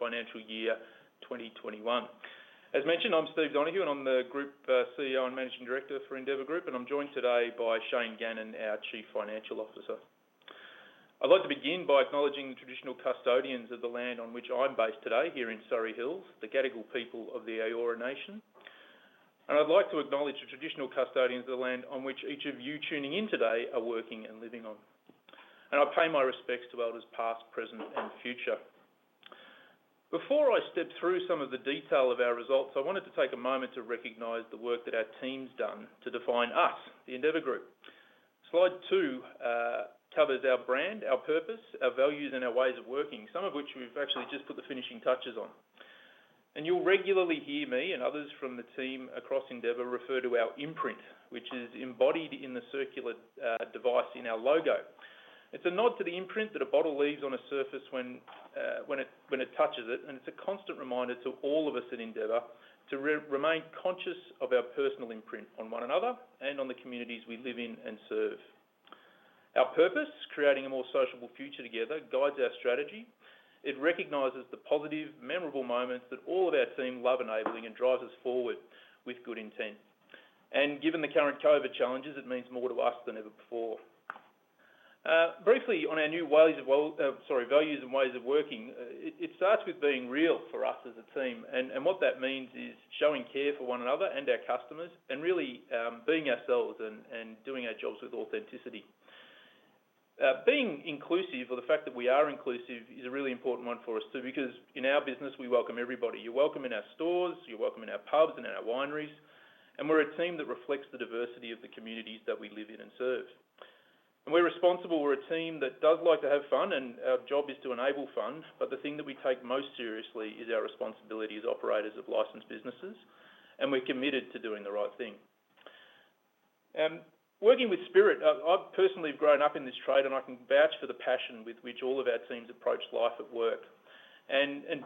Financial year 2021. As mentioned, I'm Steve Donohue, I'm the Group CEO and Managing Director for Endeavour Group, I'm joined today by Shane Gannon, our Chief Financial Officer. I'd like to begin by acknowledging the traditional custodians of the land on which I'm based today here in Surry Hills, the Gadigal people of the Eora Nation. I'd like to acknowledge the traditional custodians of the land on which each of you tuning in today are working and living on. I pay my respects to elders past, present, and future. Before I step through some of the detail of our results, I wanted to take a moment to recognize the work that our team's done to define us, the Endeavour Group. Slide two covers our brand, our purpose, our values, and our ways of working, some of which we've actually just put the finishing touches on. You'll regularly hear me and others from the team across Endeavour refer to our imprint, which is embodied in the circular device in our logo. It's a nod to the imprint that a bottle leaves on a surface when it touches it, and it's a constant reminder to all of us at Endeavour to remain conscious of our personal imprint on one another and on the communities we live in and serve. Our purpose, creating a more sociable future together, guides our strategy. It recognizes the positive, memorable moments that all of our team love enabling and drives us forward with good intent. Given the current COVID-19 challenges, it means more to us than ever before. Briefly, on our new values and ways of working, it starts with being real for us as a team. What that means is showing care for one another and our customers and really being ourselves and doing our jobs with authenticity. Being inclusive, or the fact that we are inclusive, is a really important one for us too, because in our business, we welcome everybody. You're welcome in our stores, you're welcome in our pubs and in our wineries, and we're a team that reflects the diversity of the communities that we live in and serve. We're responsible. We're a team that does like to have fun, and our job is to enable fun, but the thing that we take most seriously is our responsibility as operators of licensed businesses, and we're committed to doing the right thing. Working with spirit, I've personally grown up in this trade, and I can vouch for the passion with which all of our teams approach life at work.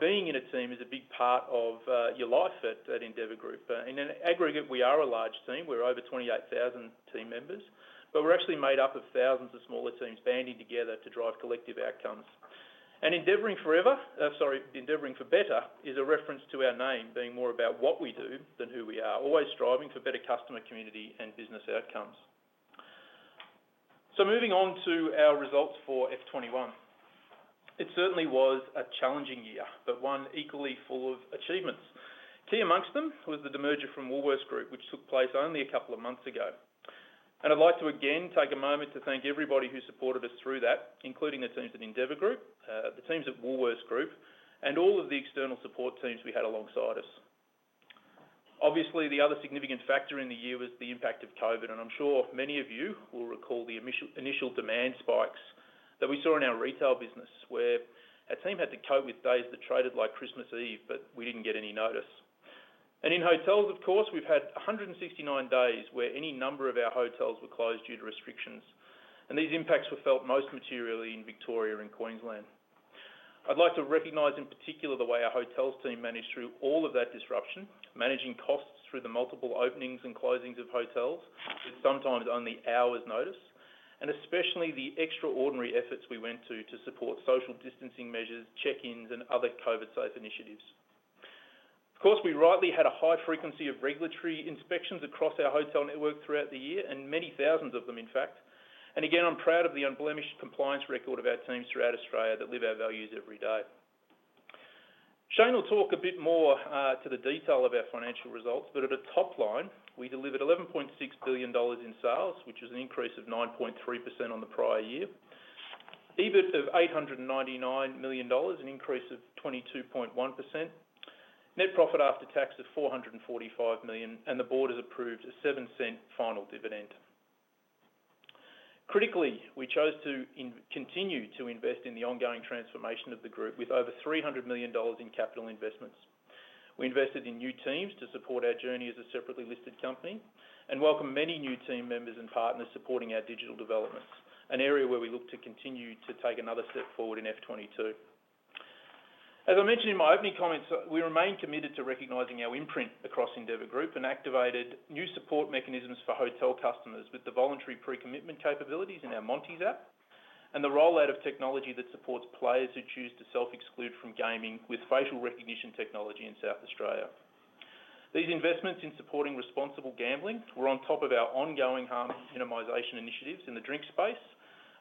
Being in a team is a big part of your life at Endeavour Group. In an aggregate, we are a large team. We're over 28,000 team members, but we're actually made up of thousands of smaller teams banding together to drive collective outcomes. Endeavoring for better is a reference to our name being more about what we do than who we are, always striving for better customer community and business outcomes. Moving on to our results for FY 2021. It certainly was a challenging year, but one equally full of achievements. Key amongst them was the demerger from Woolworths Group, which took place only a couple of months ago. I'd like to again take a moment to thank everybody who supported us through that, including the teams at Endeavour Group, the teams at Woolworths Group, and all of the external support teams we had alongside us. The other significant factor in the year was the impact of COVID, I'm sure many of you will recall the initial demand spikes that we saw in our retail business, where our team had to cope with days that traded like Christmas Eve, but we didn't get any notice. In hotels, of course, we've had 169 days where any number of our hotels were closed due to restrictions. These impacts were felt most materially in Victoria and Queensland. I'd like to recognize, in particular, the way our hotels team managed through all of that disruption, managing costs through the multiple openings and closings of hotels with sometimes only hours' notice, and especially the extraordinary efforts we went to to support social distancing measures, check-ins, and other COVID-safe initiatives. We rightly had a high frequency of regulatory inspections across our hotel network throughout the year, and many thousands of them, in fact. Again, I am proud of the unblemished compliance record of our teams throughout Australia that live our values every day. Shane will talk a bit more to the detail of our financial results, at a top line, we delivered 11.6 billion dollars in sales, which is an increase of 9.3% on the prior year. EBITDA of 899 million dollars, an increase of 22.1%. Net profit after tax of 445 million. The board has approved a 0.07 final dividend. Critically, we chose to continue to invest in the ongoing transformation of the group with over 300 million dollars in capital investments. We invested in new teams to support our journey as a separately listed company and welcome many new team members and partners supporting our digital developments, an area where we look to continue to take another step forward in FY 2022. As I mentioned in my opening comments, we remain committed to recognizing our imprint across Endeavour Group and activated new support mechanisms for hotel customers with the voluntary pre-commitment capabilities in our Monty's app and the rollout of technology that supports players who choose to self-exclude from gaming with facial recognition technology in South Australia. These investments in supporting responsible gambling were on top of our ongoing harm minimization initiatives in the drink space,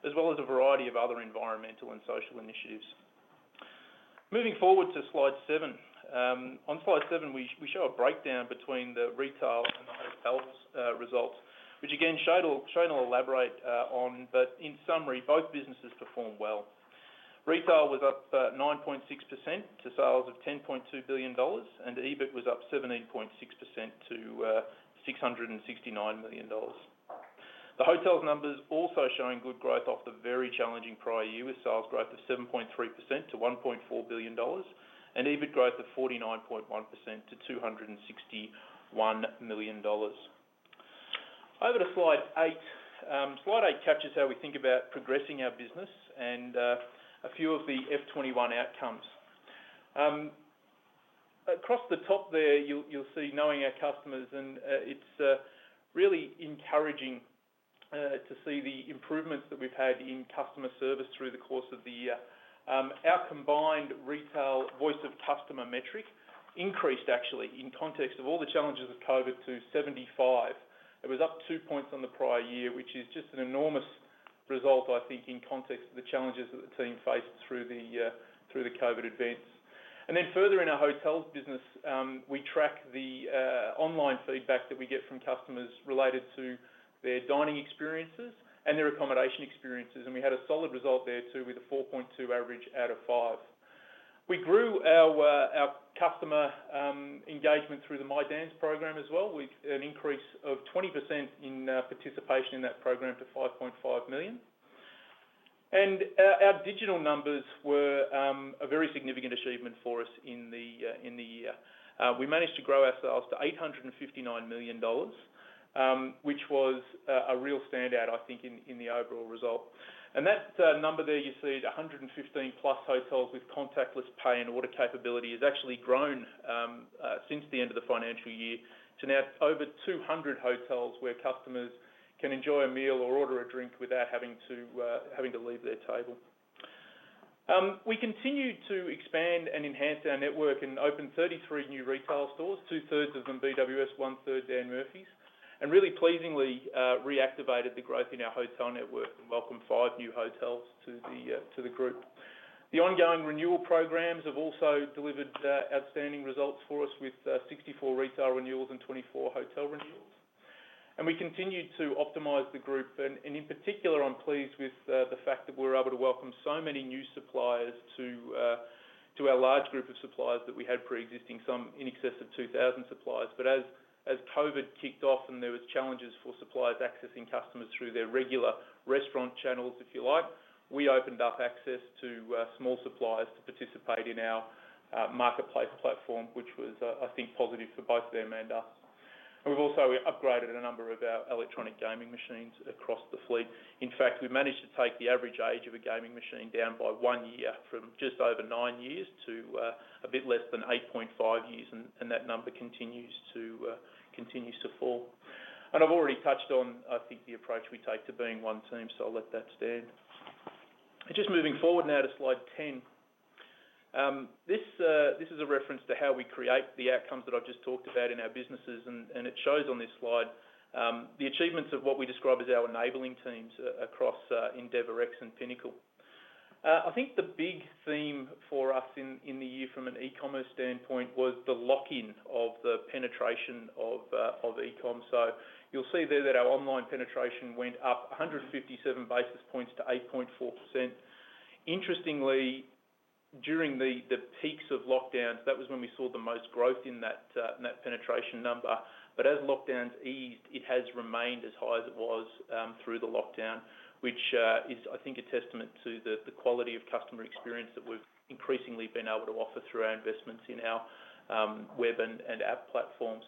as well as a variety of other environmental and social initiatives. Moving forward to slide seven. On slide seven, we show a breakdown between the retail and the hotels results, which again, Shane will elaborate on. In summary, both businesses performed well. Retail was up 9.6% to sales of 10.2 billion dollars. EBITDA was up 17.6% to 669 million dollars. The hotels numbers also showing good growth off the very challenging prior year with sales growth of 7.3% to 1.4 billion dollars. EBITDA growth of 49.1% to 261 million dollars. Over to slide eight. Slide eight captures how we think about progressing our business and a few of the FY 2021 outcomes. Across the top there, you'll see knowing our customers, and it's really encouraging to see the improvements that we've had in customer service through the course of the year. Our combined retail Voice of Customer metric increased actually, in context of all the challenges of COVID, to 75. It was up two points on the prior year, which is just an enormous result, I think, in context of the challenges that the team faced through the COVID events. Further in our hotels business, we track the online feedback that we get from customers related to their dining experiences and their accommodation experiences. We had a solid result there, too, with a 4.2 average out of five. We grew our customer engagement through the My Dan's program as well, with an increase of 20% in participation in that program to 5.5 million. Our digital numbers were a very significant achievement for us in the year. We managed to grow our sales to 859 million dollars, which was a real standout, I think, in the overall result. That number there you see, the 115+ hotels with contactless pay and order capability, has actually grown since the end of the financial year to now over 200 hotels where customers can enjoy a meal or order a drink without having to leave their table. We continued to expand and enhance our network and open 33 new retail stores, 2/3 of them BWS, 1/3 Dan Murphy's. Really pleasingly, reactivated the growth in our hotel network and welcomed five new hotels to the group. The ongoing renewal programs have also delivered outstanding results for us with 64 retail renewals and 24 hotel renewals. We continued to optimize the group. In particular, I'm pleased with the fact that we were able to welcome so many new suppliers to our large group of suppliers that we had preexisting, some in excess of 2,000 suppliers. As COVID kicked off and there was challenges for suppliers accessing customers through their regular restaurant channels, if you like, we opened up access to small suppliers to participate in our marketplace platform, which was, I think, positive for both them and us. We've also upgraded a number of our electronic gaming machines across the fleet. In fact, we managed to take the average age of a gaming machine down by one year from just over nine years to a bit less than eight and half years, and that number continues to fall. I've already touched on, I think, the approach we take to being one team, so I'll let that stand. Just moving forward now to slide 10. This is a reference to how we create the outcomes that I've just talked about in our businesses, and it shows on this slide, the achievements of what we describe as our enabling teams across endeavourX and Pinnacle. I think the big theme for us in the year from an e-commerce standpoint was the lock-in of the penetration of e-com. You'll see there that our online penetration went up 157 basis points to 8.4%. Interestingly, during the peaks of lockdowns, that was when we saw the most growth in that penetration number. As lockdowns eased, it has remained as high as it was through the lockdown, which is, I think, a testament to the quality of customer experience that we've increasingly been able to offer through our investments in our web and app platforms.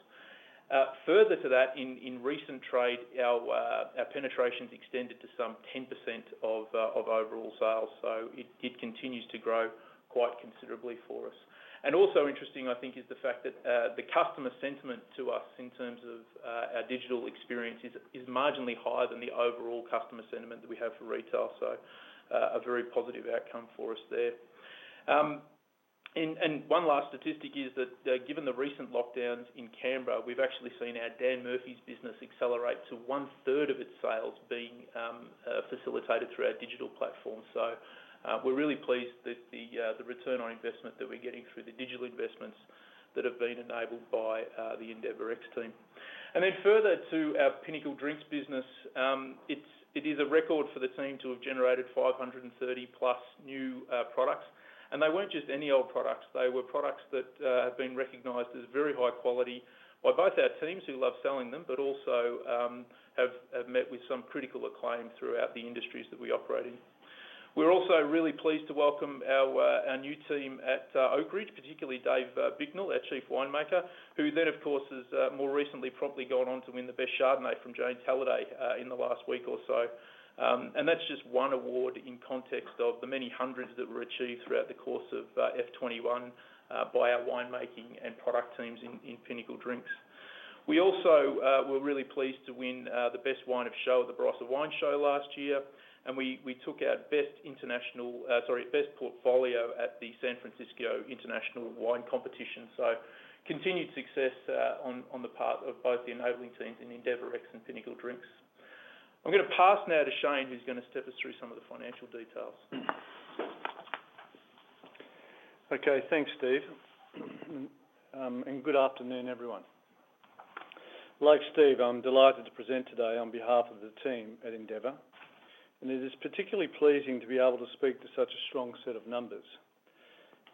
Further to that, in recent trade, our penetration's extended to some 10% of overall sales. It continues to grow quite considerably for us. Also interesting, I think, is the fact that the customer sentiment to us in terms of our digital experience is marginally higher than the overall customer sentiment that we have for retail. A very positive outcome for us there. One last statistic is that, given the recent lockdowns in Canberra, we've actually seen our Dan Murphy's business accelerate to 1/3 of its sales being facilitated through our digital platform. We're really pleased with the return on investment that we're getting through the digital investments that have been enabled by the endeavourX team. Further to our Pinnacle Drinks business, it is a record for the team to have generated 530+ new products. They weren't just any old products. They were products that have been recognized as very high quality by both our teams who love selling them, but also have met with some critical acclaim throughout the industries that we operate in. We're also really pleased to welcome our new team at Oakridge, particularly Nick Badrice, our Chief Winemaker, who then, of course, has more recently promptly gone on to win the best Chardonnay from James Halliday in the last week or so. That's just one award in context of the many hundreds that were achieved throughout the course of FY 2021 by our winemaking and product teams in Pinnacle Drinks. We also were really pleased to win the best wine of show at the Barossa Wine Show last year, and we took our best international, sorry, best portfolio at the San Francisco International Wine Competition. Continued success on the part of both the enabling teams in endeavourX and Pinnacle Drinks. I'm going to pass now to Shane, who's going to step us through some of the financial details. Okay. Thanks, Steve. Good afternoon, everyone. Like Steve, I'm delighted to present today on behalf of the team at Endeavour. It is particularly pleasing to be able to speak to such a strong set of numbers.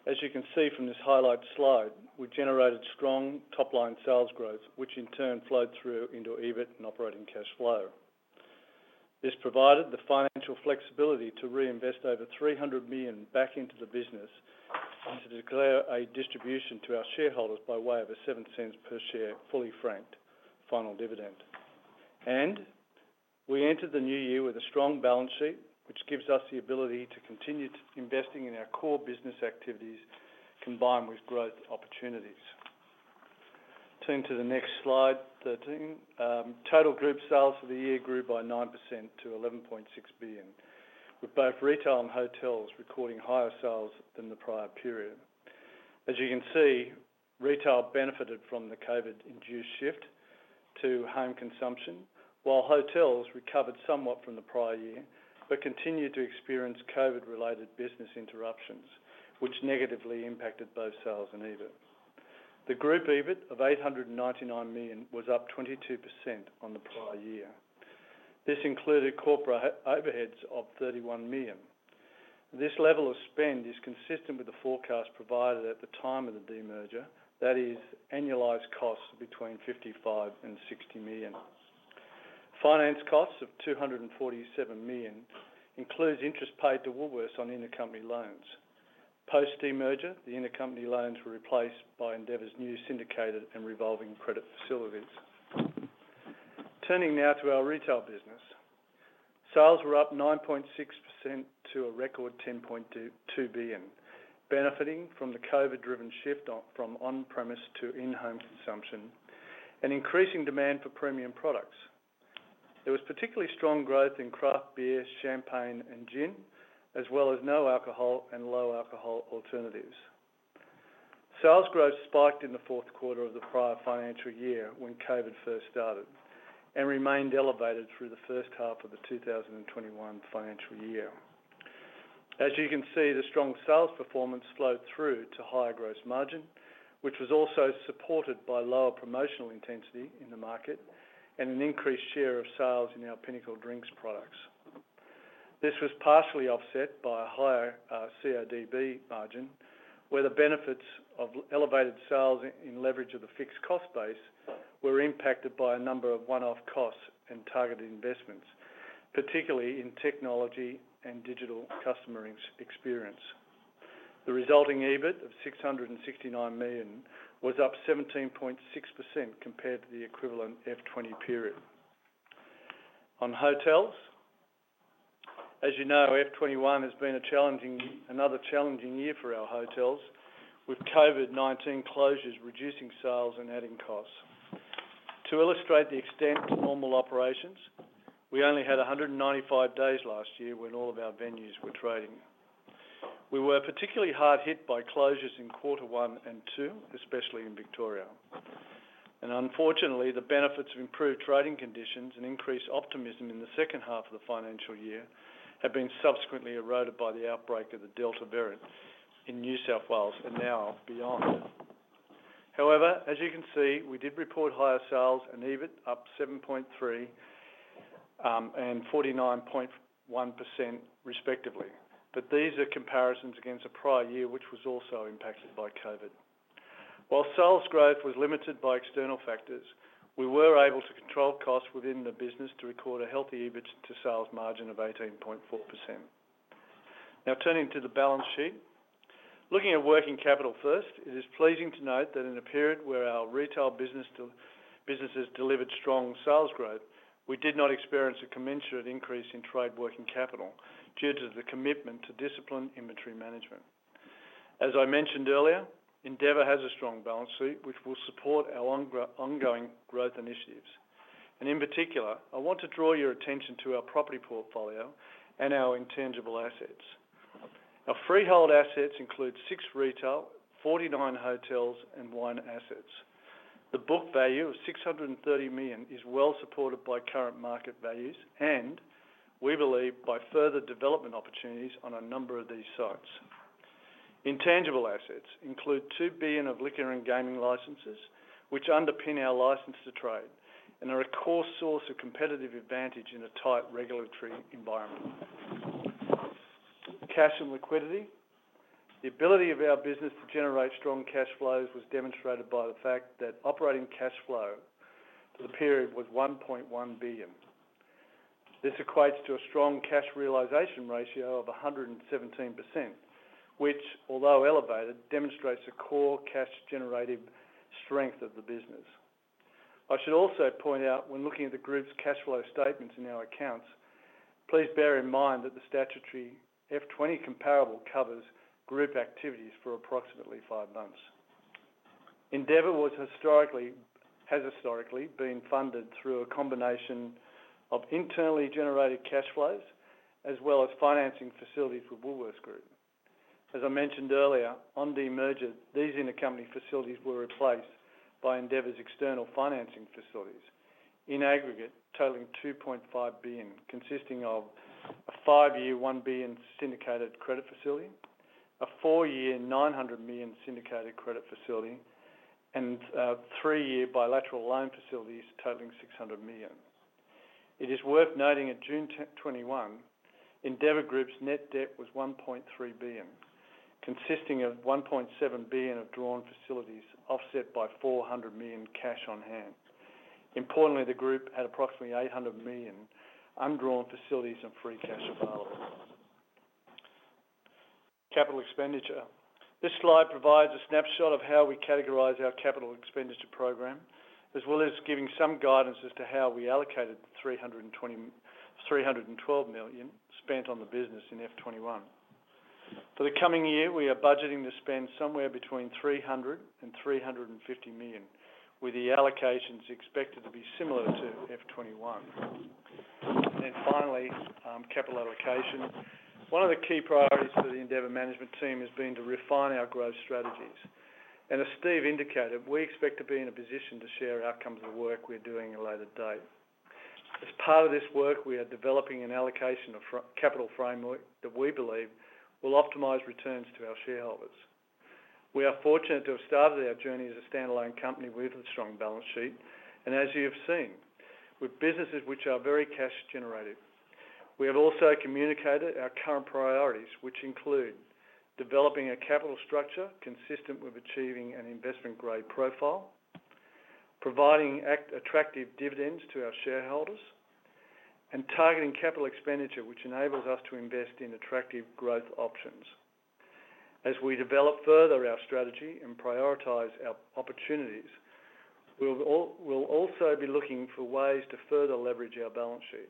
As you can see from this highlight slide, we generated strong top-line sales growth, which in turn flowed through into EBITDA and operating cash flow. This provided the financial flexibility to reinvest over 300 million back into the business and to declare a distribution to our shareholders by way of a 0.07 per share, fully franked final dividend. We entered the new year with a strong balance sheet, which gives us the ability to continue investing in our core business activities, combined with growth opportunities. Turn to the next slide, 13. Total group sales for the year grew by 9% to 11.6 billion, with both retail and hotels recording higher sales than the prior period. As you can see, retail benefited from the COVID-induced shift to home consumption, while hotels recovered somewhat from the prior year, continued to experience COVID-related business interruptions, which negatively impacted both sales and EBITDA. The group EBITDA of 899 million was up 22% on the prior year. This included corporate overheads of 31 million. This level of spend is consistent with the forecast provided at the time of the demerger, that is annualized costs between 55 million-60 million. Finance costs of 247 million includes interest paid to Woolworths on intercompany loans. Post demerger, the intercompany loans were replaced by Endeavour’s new syndicated and revolving credit facilities. Turning now to our retail business. Sales were up 9.6% to a record 10.2 billion, benefiting from the COVID-19-driven shift from on-premise to in-home consumption and increasing demand for premium products. There was particularly strong growth in craft beer, champagne, and gin, as well as no alcohol and low alcohol alternatives. Sales growth spiked in the fourth quarter of the prior financial year when COVID-19 first started and remained elevated through the first half of the 2021 financial year. As you can see, the strong sales performance flowed through to higher gross margin, which was also supported by lower promotional intensity in the market and an increased share of sales in our Pinnacle Drinks products. This was partially offset by a higher CODB margin, where the benefits of elevated sales in leverage of the fixed cost base were impacted by a number of one-off costs and targeted investments, particularly in technology and digital customer experience. The resulting EBITDA of 669 million was up 17.6% compared to the equivalent FY 2020 period. On hotels, as you know, FY 2021 has been another challenging year for our hotels, with COVID-19 closures reducing sales and adding costs. To illustrate the extent to normal operations, we only had 195 days last year when all of our venues were trading. We were particularly hard hit by closures in quarter one and two, especially in Victoria. Unfortunately, the benefits of improved trading conditions and increased optimism in the second half of the financial year have been subsequently eroded by the outbreak of the Delta variant in New South Wales and now beyond. As you can see, we did report higher sales and EBITDA up 7.3% and 49.1% respectively, but these are comparisons against the prior year, which was also impacted by COVID. While sales growth was limited by external factors, we were able to control costs within the business to record a healthy EBITDA to sales margin of 18.4%. Turning to the balance sheet. Looking at working capital first, it is pleasing to note that in a period where our retail businesses delivered strong sales growth, we did not experience a commensurate increase in trade working capital due to the commitment to disciplined inventory management. As I mentioned earlier, Endeavour has a strong balance sheet, which will support our ongoing growth initiatives. In particular, I want to draw your attention to our property portfolio and our intangible assets. Our freehold assets include six retail, 49 hotels and wine assets. The book value of 630 million is well supported by current market values, and we believe by further development opportunities on a number of these sites. Intangible assets include 2 billion of liquor and gaming licenses, which underpin our license to trade and are a core source of competitive advantage in a tight regulatory environment. Cash and liquidity. The ability of our business to generate strong cash flows was demonstrated by the fact that operating cash flow for the period was 1.1 billion. This equates to a strong cash realization ratio of 117%, which, although elevated, demonstrates the core cash generative strength of the business. I should also point out when looking at the group's cash flow statements in our accounts, please bear in mind that the statutory FY 2020 comparable covers group activities for approximately five months. Endeavour has historically been funded through a combination of internally generated cash flows, as well as financing facilities with Woolworths Group. As I mentioned earlier, on demerger, these intercompany facilities were replaced by Endeavour's external financing facilities in aggregate totaling 2.5 billion, consisting of a five-year 1 billion syndicated credit facility, a four-year 900 million syndicated credit facility, and a three-year bilateral loan facilities totaling 600 million. It is worth noting at June 2021, Endeavour Group's net debt was 1.3 billion, consisting of 1.7 billion of drawn facilities offset by 400 million cash on hand. Importantly, the group had approximately 800 million undrawn facilities and free cash available. Capital expenditure. This slide provides a snapshot of how we categorize our capital expenditure program, as well as giving some guidance as to how we allocated 312 million spent on the business in FY 2021. For the coming year, we are budgeting to spend somewhere between 300 million-350 million, with the allocations expected to be similar to FY 2021. Finally, capital allocation. One of the key priorities for the Endeavour management team has been to refine our growth strategies. As Steve indicated, we expect to be in a position to share outcomes of the work we're doing at a later date. As part of this work, we are developing an allocation of capital framework that we believe will optimize returns to our shareholders. We are fortunate to have started our journey as a standalone company with a strong balance sheet. As you have seen, with businesses which are very cash generative. We have also communicated our current priorities, which include developing a capital structure consistent with achieving an investment-grade profile, providing attractive dividends to our shareholders, and targeting capital expenditure, which enables us to invest in attractive growth options. As we develop further our strategy and prioritize our opportunities, we will also be looking for ways to further leverage our balance sheet,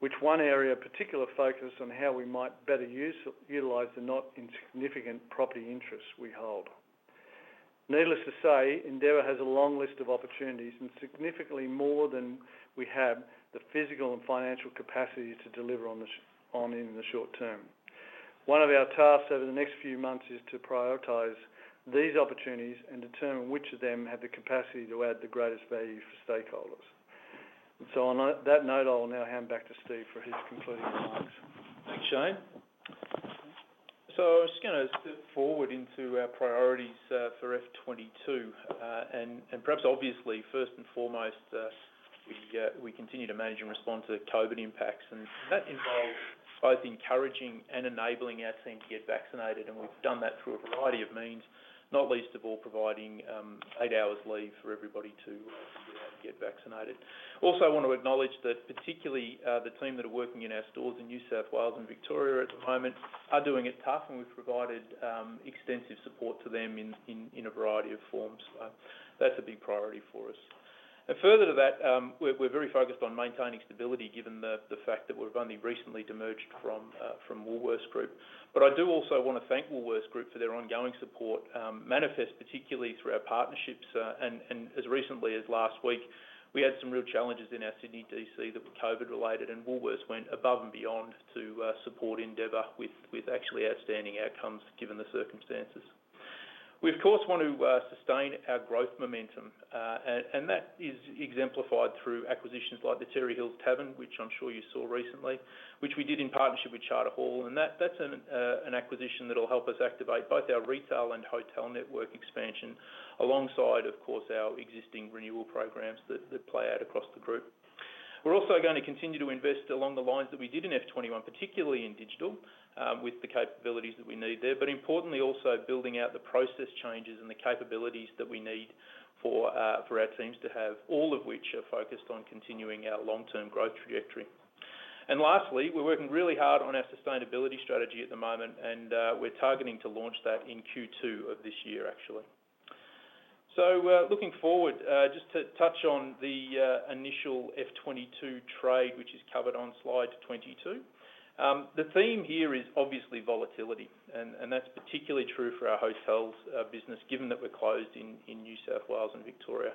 with one area of particular focus on how we might better utilize the not insignificant property interests we hold. Needless to say, Endeavour has a long list of opportunities, and significantly more than we have the physical and financial capacity to deliver on in the short term. One of our tasks over the next few months is to prioritize these opportunities and determine which of them have the capacity to add the greatest value for stakeholders. On that note, I will now hand back to Steve for his concluding remarks. Thanks, Shane. I was just going to step forward into our priorities for FY 2022. Perhaps obviously, first and foremost, we continue to manage and respond to COVID impacts. That involves both encouraging and enabling our team to get vaccinated, and we've done that through a variety of means, not least of all providing eight hours leave for everybody to get vaccinated. Also, I want to acknowledge that particularly the team that are working in our stores in New South Wales and Victoria at the moment are doing it tough, and we've provided extensive support to them in a variety of forms. That's a big priority for us. Further to that, we're very focused on maintaining stability given the fact that we've only recently demerged from Woolworths Group. I do also want to thank Woolworths Group for their ongoing support, manifest particularly through our partnerships. As recently as last week, we had some real challenges in our Sydney D.C. that were COVID related, and Woolworths went above and beyond to support Endeavour with actually outstanding outcomes given the circumstances. We, of course, want to sustain our growth momentum. That is exemplified through acquisitions like the Terrey Hills Tavern, which I'm sure you saw recently, which we did in partnership with Charter Hall. That's an acquisition that'll help us activate both our retail and hotel network expansion, alongside, of course, our existing renewal programs that play out across the group. We're also going to continue to invest along the lines that we did in FY 2021, particularly in digital, with the capabilities that we need there, but importantly also building out the process changes and the capabilities that we need for our teams to have, all of which are focused on continuing our long-term growth trajectory. Lastly, we're working really hard on our sustainability strategy at the moment, and we're targeting to launch that in Q2 of this year, actually. Looking forward, just to touch on the initial FY 2022 trade, which is covered on slide 22. The theme here is obviously volatility, and that's particularly true for our hotels business, given that we're closed in New South Wales and Victoria.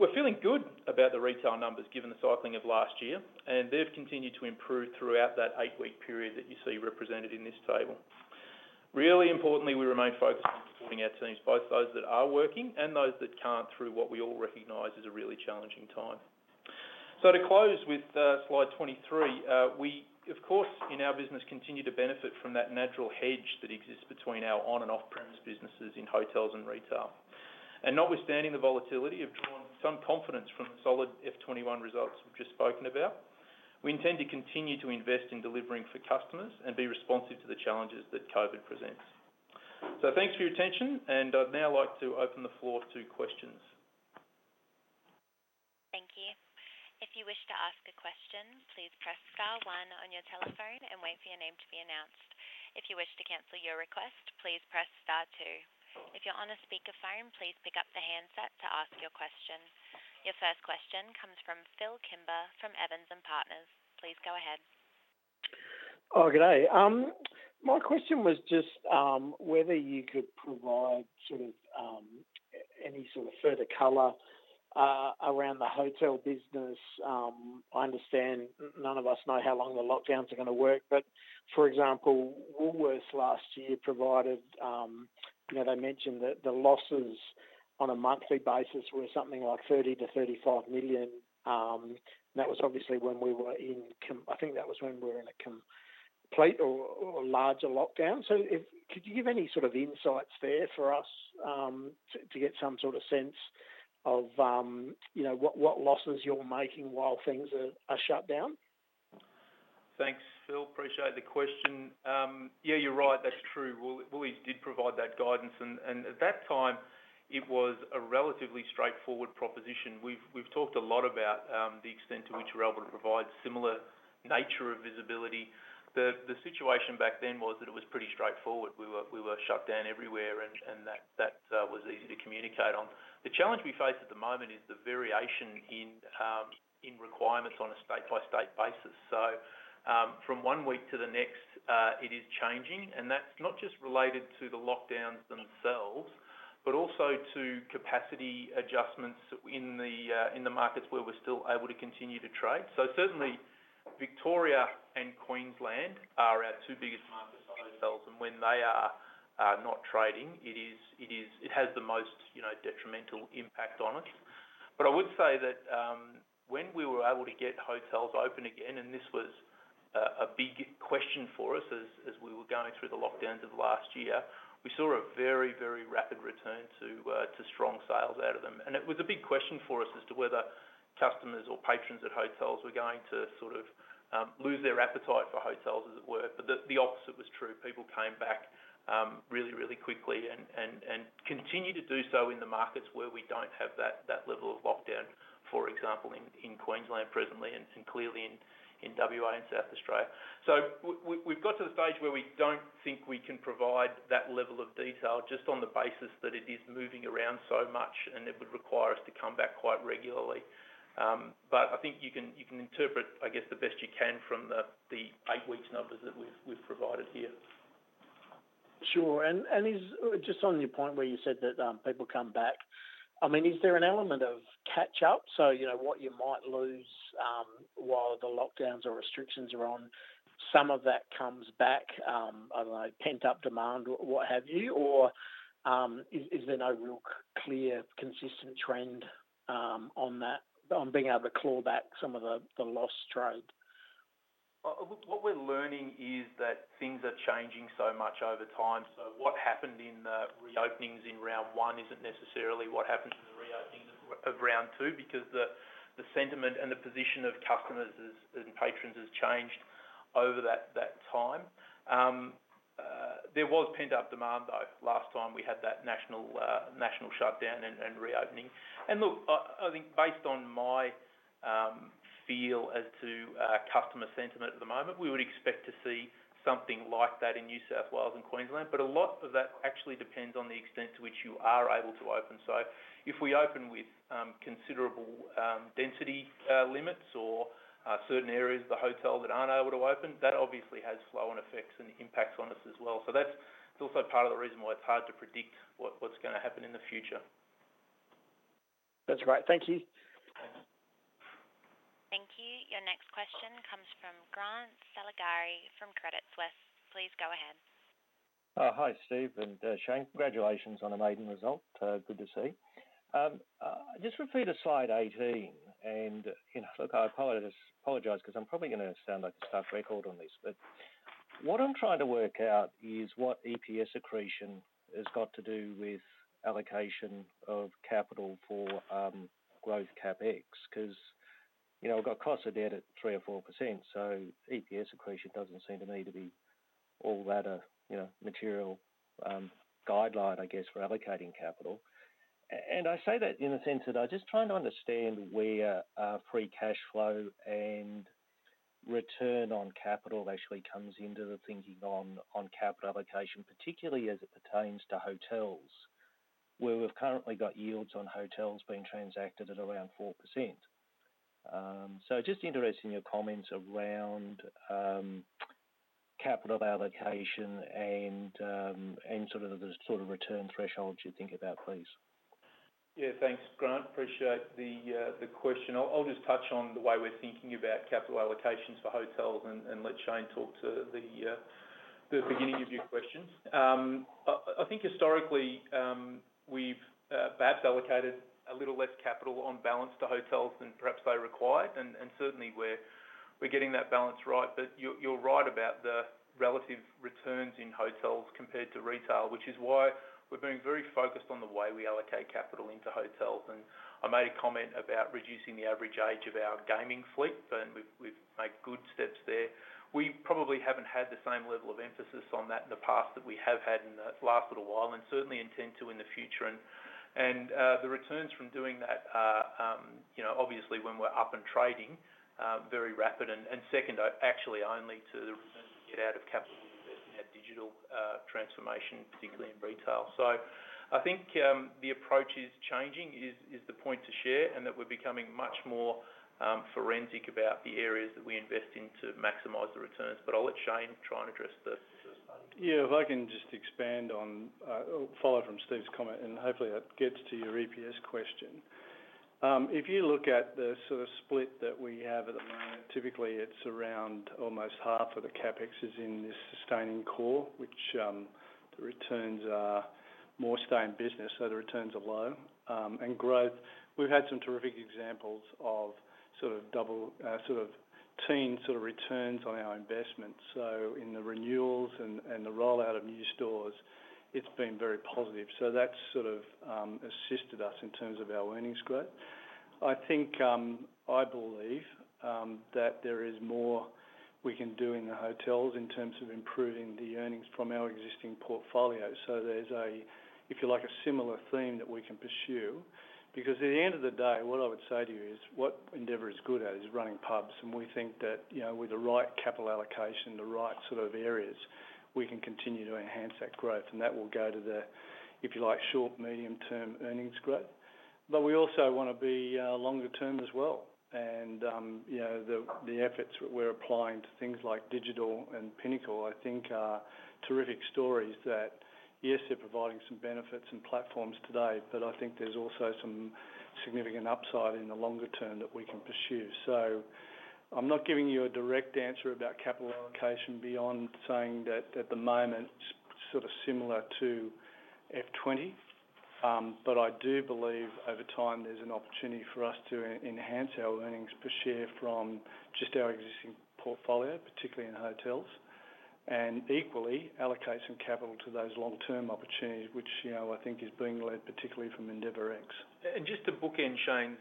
We're feeling good about the retail numbers, given the cycling of last year, and they've continued to improve throughout that eight-week period that you see represented in this table. Really importantly, we remain focused on supporting our teams, both those that are working and those that can't, through what we all recognize is a really challenging time. To close with slide 23, we of course in our business continue to benefit from that natural hedge that exists between our on and off-premise businesses in hotels and retail. Notwithstanding the volatility, have drawn some confidence from the solid FY 2021 results we've just spoken about. We intend to continue to invest in delivering for customers and be responsive to the challenges that COVID presents. Thanks for your attention, and I'd now like to open the floor to questions. Thank you. If you wish to ask question please press star one on your telephone. If you wish to cancel your request please press star two. If to ask your question. Your first question comes from Phil Kimber from Evans & Partners. Please go ahead. Good day. My question was just whether you could provide any sort of further color around the hotel business. I understand none of us know how long the lockdowns are going to work. For example, Woolworths last year provided, they mentioned that the losses on a monthly basis were something like 30 million-35 million. I think that was when we were in a complete or larger lockdown. Could you give any sort of insights there for us to get some sort of sense of what losses you're making while things are shut down? Thanks, Phil. Appreciate the question. Yeah, you're right. That's true. Well, we did provide that guidance, and at that time, it was a relatively straightforward proposition. We've talked a lot about the extent to which we're able to provide similar nature of visibility. The situation back then was that it was pretty straightforward. We were shut down everywhere, and that was easy to communicate on. The challenge we face at the moment is the variation in requirements on a state-by-state basis. From one week to the next, it is changing, and that's not just related to the lockdowns themselves, but also to capacity adjustments in the markets where we're still able to continue to trade. Certainly, Victoria and Queensland are our two biggest markets for hotels. When they are not trading, it has the most detrimental impact on us. I would say that when we were able to get hotels open again, this was a big question for us as we were going through the lockdowns of last year, we saw a very rapid return to strong sales out of them. It was a big question for us as to whether customers or patrons at hotels were going to sort of lose their appetite for hotels, as it were. The opposite was true. People came back really quickly and continue to do so in the markets where we don't have that level of lockdown. For example, in Queensland presently and clearly in WA and South Australia. We've got to the stage where we don't think we can provide that level of detail just on the basis that it is moving around so much, and it would require us to come back quite regularly. I think you can interpret, I guess, the best you can from the eight weeks numbers that we've provided here. Sure. Just on your point where you said that people come back, is there an element of catch up? What you might lose while the lockdowns or restrictions are on, some of that comes back, I don't know, pent-up demand or what have you? Is there no real clear, consistent trend on that, on being able to claw back some of the lost trade? What we're learning is that things are changing so much over time. What happened in the reopenings in round one isn't necessarily what happened in the reopenings of round two, because the sentiment and the position of customers and patrons has changed over that time. There was pent-up demand, though, last time we had that national shutdown and reopening. Look, I think based on my feel as to customer sentiment at the moment, we would expect to see something like that in New South Wales and Queensland. A lot of that actually depends on the extent to which you are able to open. If we open with considerable density limits or certain areas of the hotel that aren't able to open, that obviously has flow-on effects and impacts on us as well. That's also part of the reason why it's hard to predict what's going to happen in the future. That's great. Thank you. Thank you. Your next question comes from Grant Saligari from Credit Suisse. Please go ahead. Hi, Steve and Shane. Congratulations on a maiden result. Good to see. Just refer to slide 18. Look, I apologize because I'm probably going to sound like a stuck record on this. What I'm trying to work out is what EPS accretion has got to do with allocation of capital for growth CapEx. We've got cost of debt at 3% or 4%, so EPS accretion doesn't seem to me to be all that a material guideline, I guess, for allocating capital. I say that in the sense that I'm just trying to understand where free cash flow and return on capital actually comes into the thinking on capital allocation, particularly as it pertains to hotels, where we've currently got yields on hotels being transacted at around 4%. Just interested in your comments around capital allocation and the sort of return thresholds you think about, please. Yeah. Thanks, Grant. Appreciate the question. I'll just touch on the way we're thinking about capital allocations for hotels and let Shane talk to the beginning of your questions. I think historically, we've perhaps allocated a little less capital on balance to hotels than perhaps they required, and certainly we're getting that balance right. You're right about the relative returns in hotels compared to retail, which is why we're being very focused on the way we allocate capital into hotels. I made a comment about reducing the average age of our gaming fleet, and we've made good steps there. We probably haven't had the same level of emphasis on that in the past that we have had in the last little while, and certainly intend to in the future. The returns from doing that are, obviously, when we're up and trading, very rapid. Second, actually only to the returns we get out of capital invested in our digital transformation, particularly in retail. I think the approach is changing, is the point to share, and that we are becoming much more forensic about the areas that we invest in to maximize the returns. I will let Shane try and address the sustaining. If I can just expand. I'll follow from Steve's comment, hopefully that gets to your EPS question. If you look at the sort of split that we have at the moment, typically it's around almost half of the CapEx is in this sustaining core, which the returns are more stay in business, so the returns are low. Growth, we've had some terrific examples of sort of double-digit returns on our investments. In the renewals and the rollout of new stores, it's been very positive. That's sort of assisted us in terms of our earnings growth. I think, I believe, that there is more we can do in the hotels in terms of improving the earnings from our existing portfolio. There's a, if you like, a similar theme that we can pursue. At the end of the day, what I would say to you is, what Endeavour is good at is running pubs. We think that with the right capital allocation, the right sort of areas, we can continue to enhance that growth. That will go to the, if you like, short, medium-term earnings growth. We also want to be longer term as well. The efforts we're applying to things like Digital and Pinnacle, I think, are terrific stories that, yes, they're providing some benefits and platforms today, but I think there's also some significant upside in the longer term that we can pursue. I'm not giving you a direct answer about capital allocation beyond saying that at the moment, it's sort of similar to FY 2020. I do believe over time, there's an opportunity for us to enhance our earnings per share from just our existing portfolio, particularly in hotels. And equally, allocate some capital to those long-term opportunities, which I think is being led particularly from endeavourX. Just to bookend Shane's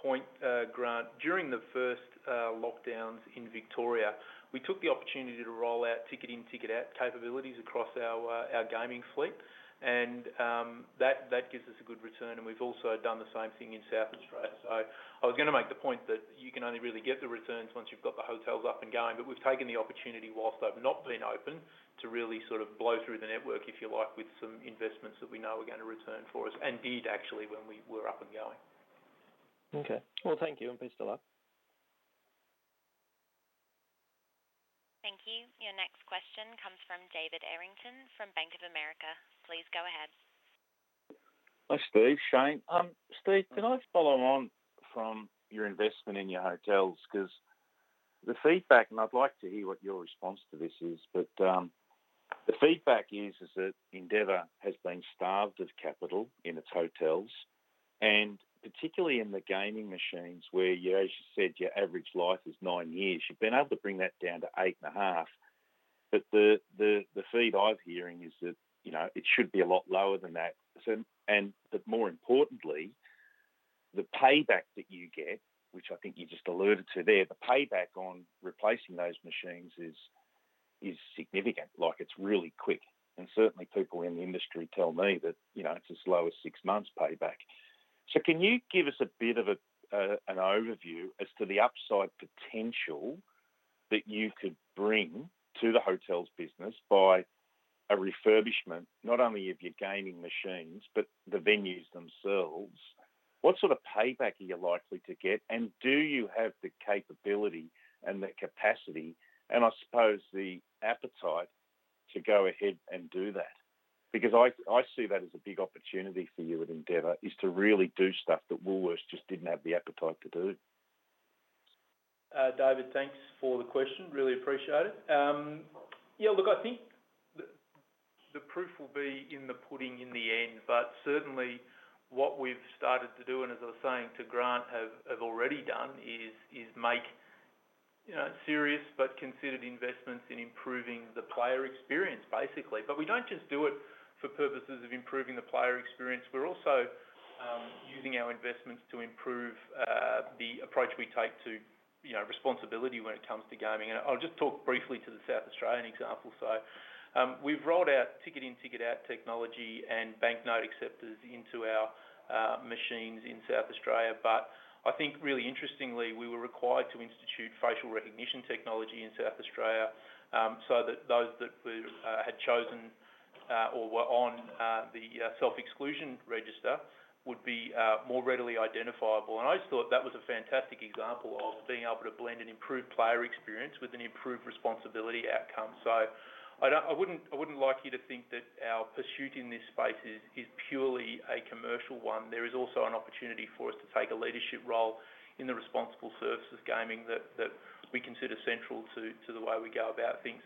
point, Grant, during the first lockdowns in Victoria, we took the opportunity to roll out ticket-in, ticket-out capabilities across our gaming fleet. That gives us a good return, and we've also done the same thing in South Australia. I was going to make the point that you can only really get the returns once you've got the hotels up and going. We've taken the opportunity whilst they've not been open to really sort of blow through the network, if you like, with some investments that we know are going to return for us, and did actually when we were up and going. Okay. Well, thank you, and peace to that. Thank you. Your next question comes from David Errington from Bank of America. Please go ahead. Hi, Steve, Shane. Steve, can I just follow on from your investment in your hotels? The feedback, and I'd like to hear what your response to this is, but the feedback is that Endeavour has been starved of capital in its hotels, and particularly in the gaming machines, where as you said, your average life is nine years. You've been able to bring that down to eight and half. The feed I'm hearing is that it should be a lot lower than that. More importantly, the payback that you get, which I think you just alluded to there, the payback on replacing those machines is significant. It's really quick, and certainly people in the industry tell me that it's as low as six months payback. Can you give us a bit of an overview as to the upside potential that you could bring to the hotels business by a refurbishment, not only of your gaming machines, but the venues themselves? What sort of payback are you likely to get, and do you have the capability and the capacity, and I suppose the appetite, to go ahead and do that? I see that as a big opportunity for you at Endeavour, is to really do stuff that Woolworths just didn't have the appetite to do. David, thanks for the question. Really appreciate it. Yeah, look, I think the proof will be in the pudding in the end. Certainly what we've started to do, and as I was saying to Grant, have already done, is make serious but considered investments in improving the player experience, basically. We don't just do it for purposes of improving the player experience. We're also using our investments to improve the approach we take to responsibility when it comes to gaming. I'll just talk briefly to the South Australian example. We've rolled out ticket-in, ticket-out technology and banknote acceptors into our machines in South Australia. I think really interestingly, we were required to institute facial recognition technology in South Australia so that those that had chosen or were on the self-exclusion register would be more readily identifiable. I just thought that was a fantastic example of being able to blend an improved player experience with an improved responsibility outcome. I wouldn't like you to think that our pursuit in this space is purely a commercial one. There is also an opportunity for us to take a leadership role in the responsible services gaming that we consider central to the way we go about things.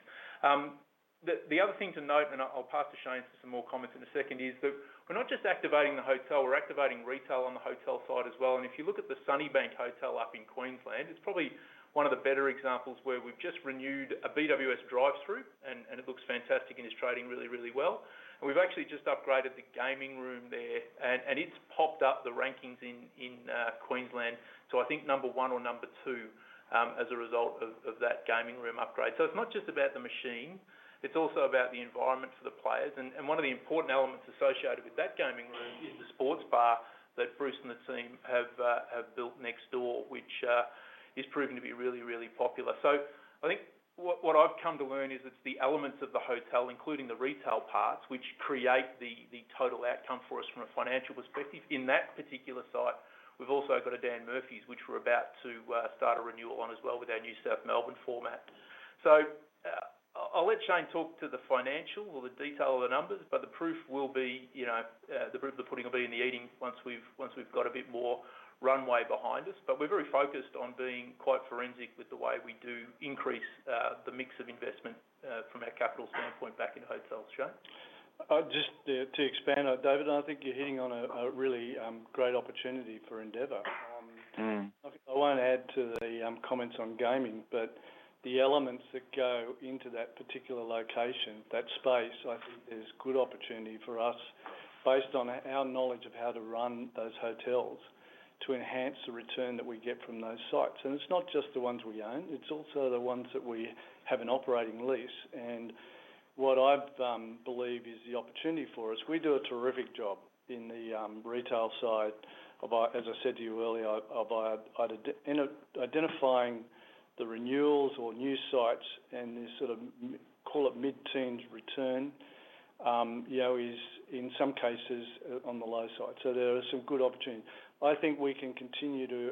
The other thing to note, and I'll pass to Shane for some more comments in a second, is that we're not just activating the hotel, we're activating retail on the hotel side as well. If you look at the Sunnybank Hotel up in Queensland, it's probably one of the better examples where we've just renewed a BWS drive-through, and it looks fantastic and is trading really well. We've actually just upgraded the gaming room there, and it's popped up the rankings in Queensland to I think number one or number two as a result of that gaming room upgrade. It's not just about the machine, it's also about the environment for the players. One of the important elements associated with that gaming room is the sports bar that Bruce and the team have built next door, which is proving to be really, really popular. I think what I've come to learn is it's the elements of the hotel, including the retail parts, which create the total outcome for us from a financial perspective. In that particular site, we've also got a Dan Murphy's, which we're about to start a renewal on as well with our new South Melbourne format. I'll let Shane talk to the financial or the detail of the numbers, but the proof of the pudding will be in the eating once we've got a bit more runway behind us. We're very focused on being quite forensic with the way we do increase the mix of investment from our capital standpoint back into hotels. Shane? Just to expand on it, David, I think you're hitting on a really great opportunity for Endeavour. I won't add to the comments on gaming, the elements that go into that particular location, that space, I think there's good opportunity for us based on our knowledge of how to run those hotels, to enhance the return that we get from those sites. It's not just the ones we own, it's also the ones that we have an operating lease. What I believe is the opportunity for us, we do a terrific job in the retail side of, as I said to you earlier, of identifying the renewals or new sites and this sort of call it mid-teens return is in some cases on the low side. There are some good opportunities. I think we can continue to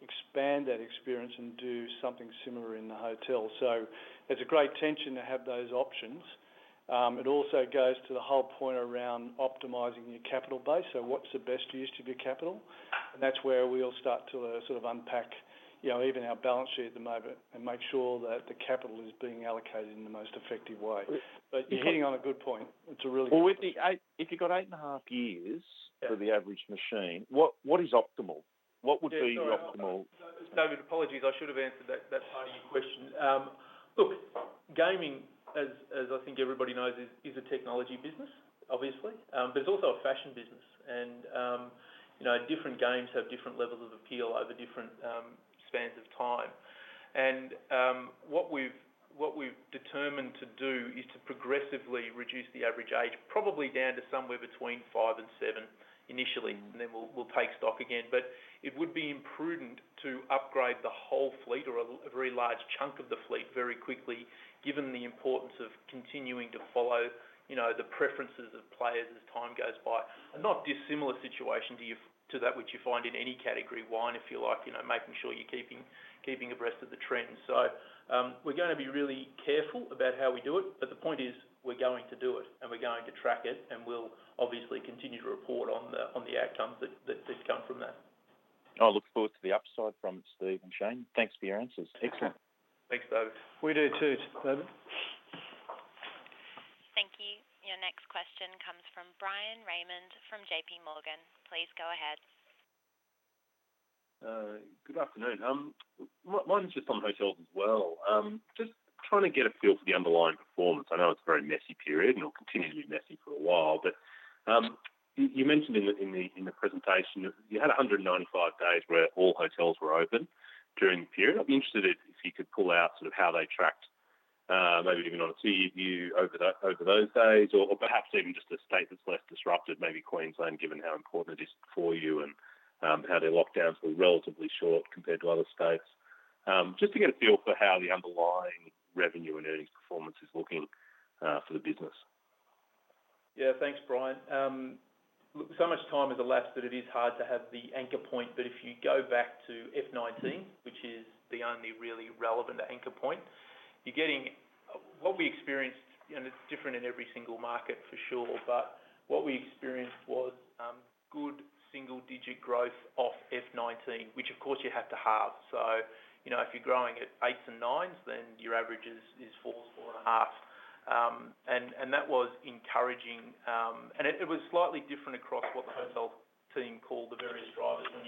expand that experience and do something similar in the hotel. It's a great tension to have those options. It also goes to the whole point around optimizing your capital base. What's the best use of your capital? That's where we'll start to unpack even our balance sheet at the moment and make sure that the capital is being allocated in the most effective way. You're hitting on a good point. It's a really good point. If you've got eight and a half years for the average machine, what is optimal? What would be your optimal? Sorry, David, apologies. I should have answered that part of your question. Gaming, as I think everybody knows, is a technology business obviously. It's also a fashion business, and different games have different levels of appeal over different spans of time. What we've determined to do is to progressively reduce the average age, probably down to somewhere between five and seven initially, and then we'll take stock again. It would be imprudent to upgrade the whole fleet or a very large chunk of the fleet very quickly, given the importance of continuing to follow the preferences of players as time goes by. Not dissimilar situation to that which you find in any category. Wine, if you like, making sure you're keeping abreast of the trends. We're going to be really careful about how we do it, but the point is, we're going to do it, and we're going to track it, and we'll obviously continue to report on the outcomes that come from that. I look forward to the upside from it, Steve and Shane. Thanks for your answers. Excellent. Thanks, David. We do too, David. Thank you. Your next question comes from Bryan Raymond from JPMorgan. Please go ahead. Good afternoon. Mine's just on hotels as well. Just trying to get a feel for the underlying performance. I know it's a very messy period, and it'll continue to be messy for a while. You mentioned in the presentation, you had 195 days where all hotels were open during the period. I'd be interested if you could pull out how they tracked, maybe even on a T-view over those days or perhaps even just a state that's less disrupted, maybe Queensland, given how important it is for you and how their lockdowns were relatively short compared to other states. Just to get a feel for how the underlying revenue and earnings performance is looking for the business. Yeah. Thanks, Bryan. Look, so much time has elapsed that it is hard to have the anchor point, but if you go back to FY 2019, which is the only really relevant anchor point, what we experienced, and it's different in every single market for sure, but what we experienced was good single-digit growth off FY 2019, which of course you have to halve. If you're growing at eights and nines, then your average is fours or a half. That was encouraging. It was slightly different across what the hotel team called the various drivers. When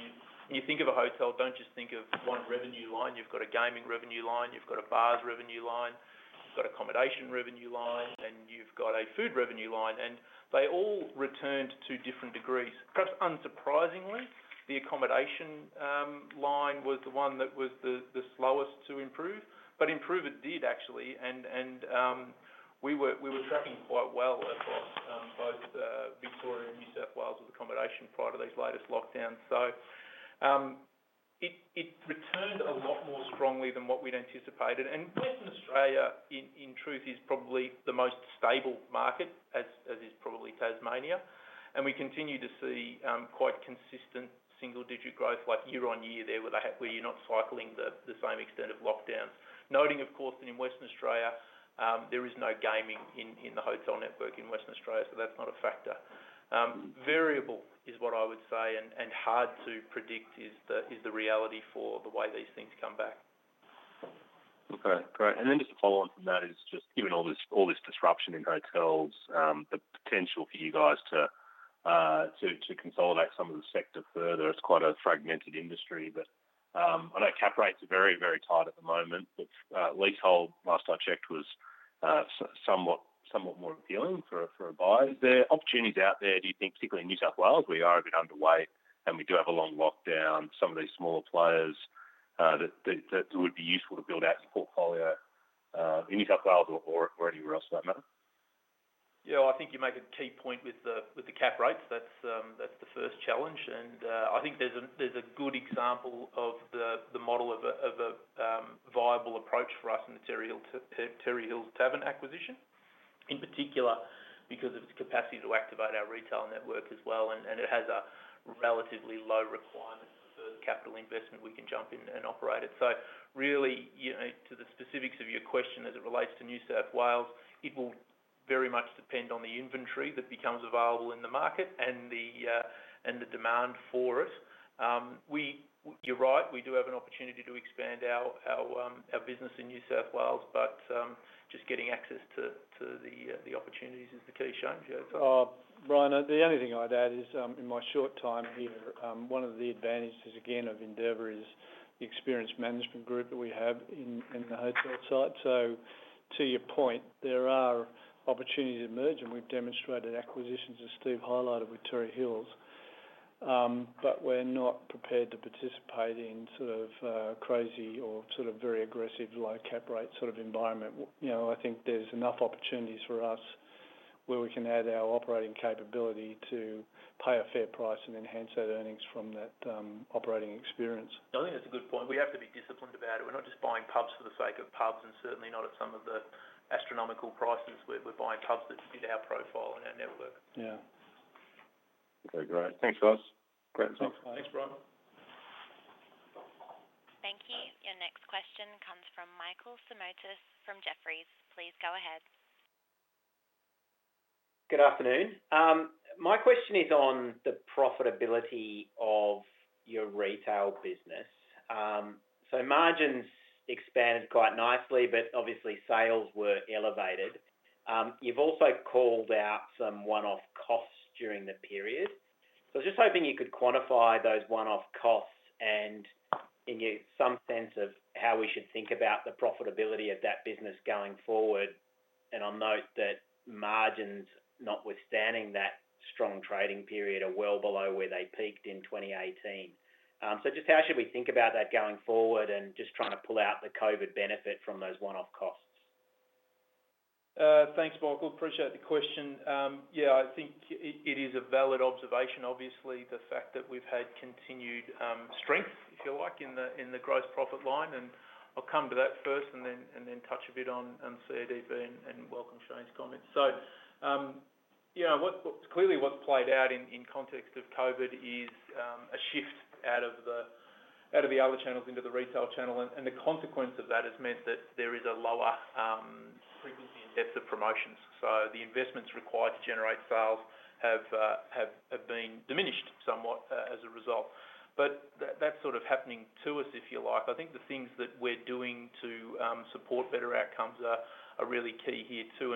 you think of a hotel, don't just think of one revenue line. You've got a gaming revenue line, you've got a bars revenue line, you've got accommodation revenue line, and you've got a food revenue line, and they all returned to different degrees. Perhaps unsurprisingly, the accommodation line was the one that was the slowest to improve, but improve it did actually, and we were tracking quite well across both Victoria and New South Wales with accommodation prior to these latest lockdowns. It returned a lot more strongly than what we'd anticipated. Western Australia, in truth, is probably the most stable market, as is probably Tasmania. We continue to see quite consistent single-digit growth year-over-year there, where you're not cycling the same extent of lockdowns. Noting, of course, that in Western Australia, there is no gaming in the hotel network in Western Australia, so that's not a factor. Variable is what I would say, and hard to predict is the reality for the way these things come back. Okay. Great. Just to follow on from that is just given all this disruption in hotels, the potential for you guys to consolidate some of the sector further. It's quite a fragmented industry. I know cap rates are very, very tight at the moment, but leasehold, last I checked, was somewhat more appealing for a buyer. Is there opportunities out there, do you think, particularly in New South Wales? We are a bit underweight, and we do have a long lockdown. Some of these smaller players that would be useful to build out your portfolio, in New South Wales or anywhere else for that matter. Yeah, I think you make a key point with the cap rates. That's the first challenge, and I think there's a good example of the model of a viable approach for us in the Terrey Hills Tavern acquisition, in particular because of its capacity to activate our retail network as well, and it has a relatively low requirement for capital investment. We can jump in and operate it. Really, to the specifics of your question as it relates to New South Wales, it will very much depend on the inventory that becomes available in the market and the demand for it. You're right. We do have an opportunity to expand our business in New South Wales, but just getting access to the opportunities is the key, Shane, do you agree? Bryan, the only thing I'd add is, in my short time here, one of the advantages again of Endeavour is the experienced management group that we have in the hotel site. To your point, there are opportunities emerging. We've demonstrated acquisitions, as Steve highlighted, with Terrey Hills. We're not prepared to participate in crazy or very aggressive low cap rate sort of environment. I think there's enough opportunities for us where we can add our operating capability to pay a fair price and enhance that earnings from that operating experience. I think that's a good point. We have to be disciplined about it. We're not just buying pubs for the sake of pubs, and certainly not at some of the astronomical prices. We're buying pubs that fit our profile and our network. Yeah. Okay, great. Thanks, guys. Great talk. Thanks, Bryan. Thank you. Your next question comes from Michael Simotas from Jefferies. Please go ahead. Good afternoon. My question is on the profitability of your retail business. Margins expanded quite nicely, but obviously sales were elevated. You've also called out some one-off costs during the period. I was just hoping you could quantify those one-off costs and give some sense of how we should think about the profitability of that business going forward. I'll note that margins, notwithstanding that strong trading period, are well below where they peaked in 2018. Just how should we think about that going forward and just trying to pull out the COVID benefit from those one-off costs? Thanks, Michael. Appreciate the question. Yeah, I think it is a valid observation, obviously, the fact that we've had continued strength, if you like, in the gross profit line, and I'll come to that first and then touch a bit on CODB, and welcome Shane's comments. Clearly what's played out in context of COVID is a shift out of the other channels into the retail channel, and the consequence of that has meant that there is a lower frequency in depth of promotions. The investments required to generate sales have been diminished somewhat as a result. That's sort of happening to us, if you like. I think the things that we're doing to support better outcomes are really key here too.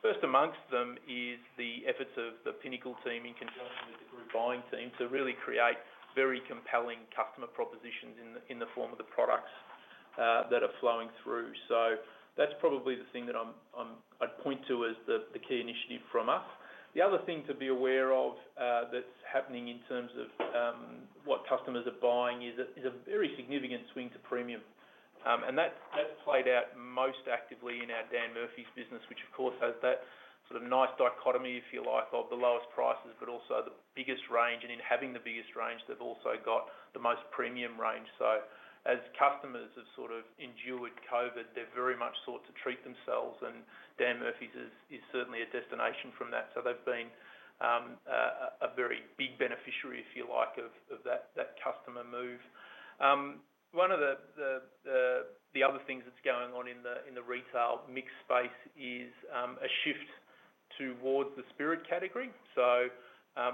First amongst them is the efforts of the Pinnacle team in conjunction with the group buying team to really create very compelling customer propositions in the form of the products that are flowing through. That's probably the thing that I'd point to as the key initiative from us. The other thing to be aware of that's happening in terms of what customers are buying is a very significant swing to premium. That's played out most actively in our Dan Murphy's business, which of course has that sort of nice dichotomy, if you like, of the lowest prices, but also the biggest range. In having the biggest range, they've also got the most premium range. As customers have sort of endured COVID, they've very much sought to treat themselves, and Dan Murphy's is certainly a destination from that. They've been a very big beneficiary, if you like, of that customer move. One of the other things that's going on in the retail mix space is a shift towards the spirit category.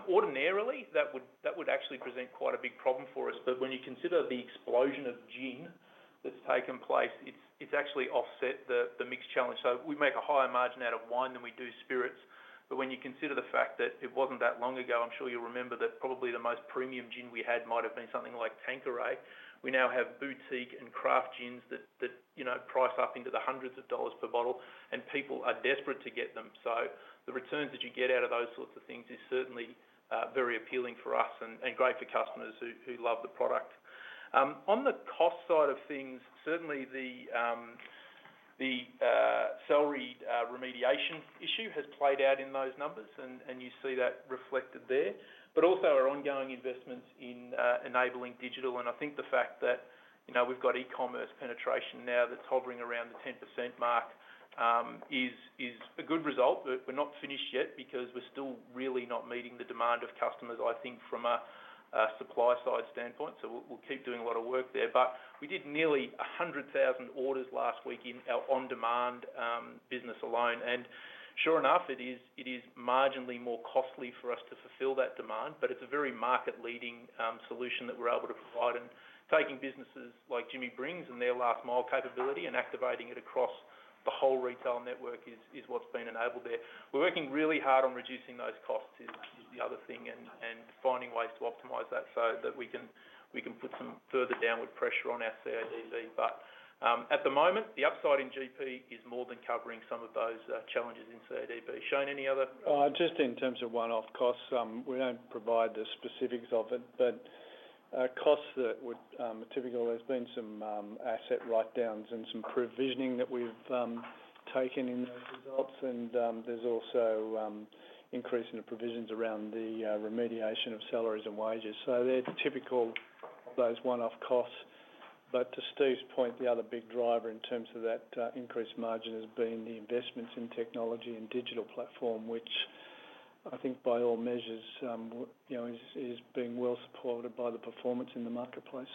Ordinarily, that would actually present quite a big problem for us. When you consider the explosion of gin that's taken place, it's actually offset the mix challenge. We make a higher margin out of wine than we do spirits. When you consider the fact that it wasn't that long ago, I'm sure you'll remember, that probably the most premium gin we had might have been something like Tanqueray. We now have boutique and craft gins that price up into the hundreds of Australian dollar per bottle, and people are desperate to get them. The returns that you get out of those sorts of things is certainly very appealing for us and great for customers who love the product. On the cost side of things, certainly the salary remediation issue has played out in those numbers, and you see that reflected there. Also our ongoing investments in enabling digital, and I think the fact that we've got e-commerce penetration now that's hovering around the 10% mark is a good result. We're not finished yet because we're still really not meeting the demand of customers, I think from a supply side standpoint. We'll keep doing a lot of work there. We did nearly 100,000 orders last week in our on-demand business alone. Sure enough, it is marginally more costly for us to fulfill that demand, but it's a very market-leading solution that we're able to provide. Taking businesses like Jimmy Brings and their last mile capability and activating it across the whole retail network is what's been enabled there. We're working really hard on reducing those costs is the other thing, and finding ways to optimize that so that we can put some further downward pressure on our CODB. At the moment, the upside in GP is more than covering some of those challenges in CODB. Shane, any other? Just in terms of one-off costs, we don't provide the specifics of it, but costs that would typically always been some asset write-downs and some provisioning that we've taken in those results, and there's also increase in the provisions around the remediation of salaries and wages. They're typical of those one-off costs. To Steve's point, the other big driver in terms of that increased margin has been the investments in technology and digital platform, which I think by all measures, is being well supported by the performance in the marketplace.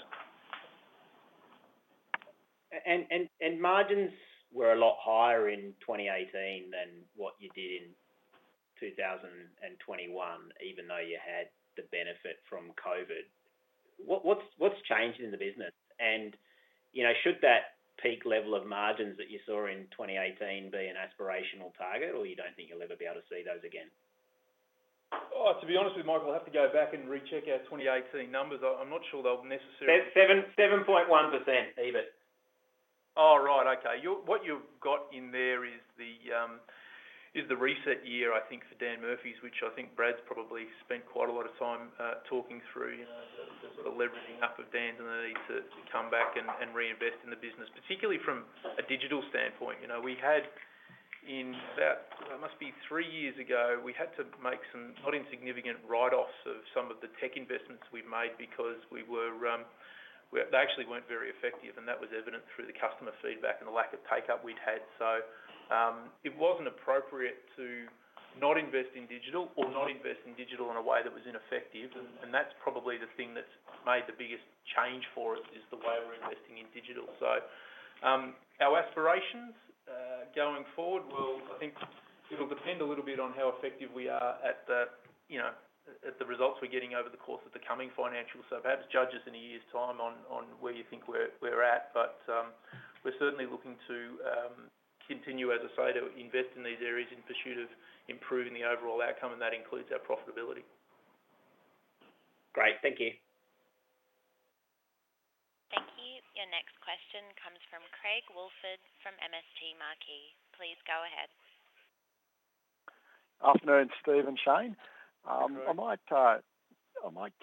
Margins were a lot higher in 2018 than what you did in 2021, even though you had the benefit from COVID. What's changed in the business? Should that peak level of margins that you saw in 2018 be an aspirational target, or you don't think you'll ever be able to see those again? To be honest with you, Michael, I'll have to go back and recheck our 2018 numbers. I'm not sure they'll necessarily. 7.1% EBITDA. Oh, right. Okay. What you've got in there is the reset year, I think, for Dan Murphy's, which I think Brad's probably spent quite a lot of time talking through. The sort of leveraging up of Dan's and the need to come back and reinvest in the business, particularly from a digital standpoint. We had in about, it must be three years ago, we had to make some not insignificant write-offs of some of the tech investments we'd made because they actually weren't very effective, and that was evident through the customer feedback and the lack of take-up we'd had. It wasn't appropriate to not invest in digital or not invest in digital in a way that was ineffective. That's probably the thing that's made the biggest change for us is the way we're investing in digital. Our aspirations going forward will, I think, depend a little bit on how effective we are at the results we're getting over the course of the coming financial. Perhaps judge us in a year's time on where you think we're at. We're certainly looking to continue, as I say, to invest in these areas in pursuit of improving the overall outcome, and that includes our profitability. Great. Thank you. Thank you. Your next question comes from Craig Woolford from MST Marquee. Please go ahead. Afternoon, Steve and Shane. Good afternoon. I might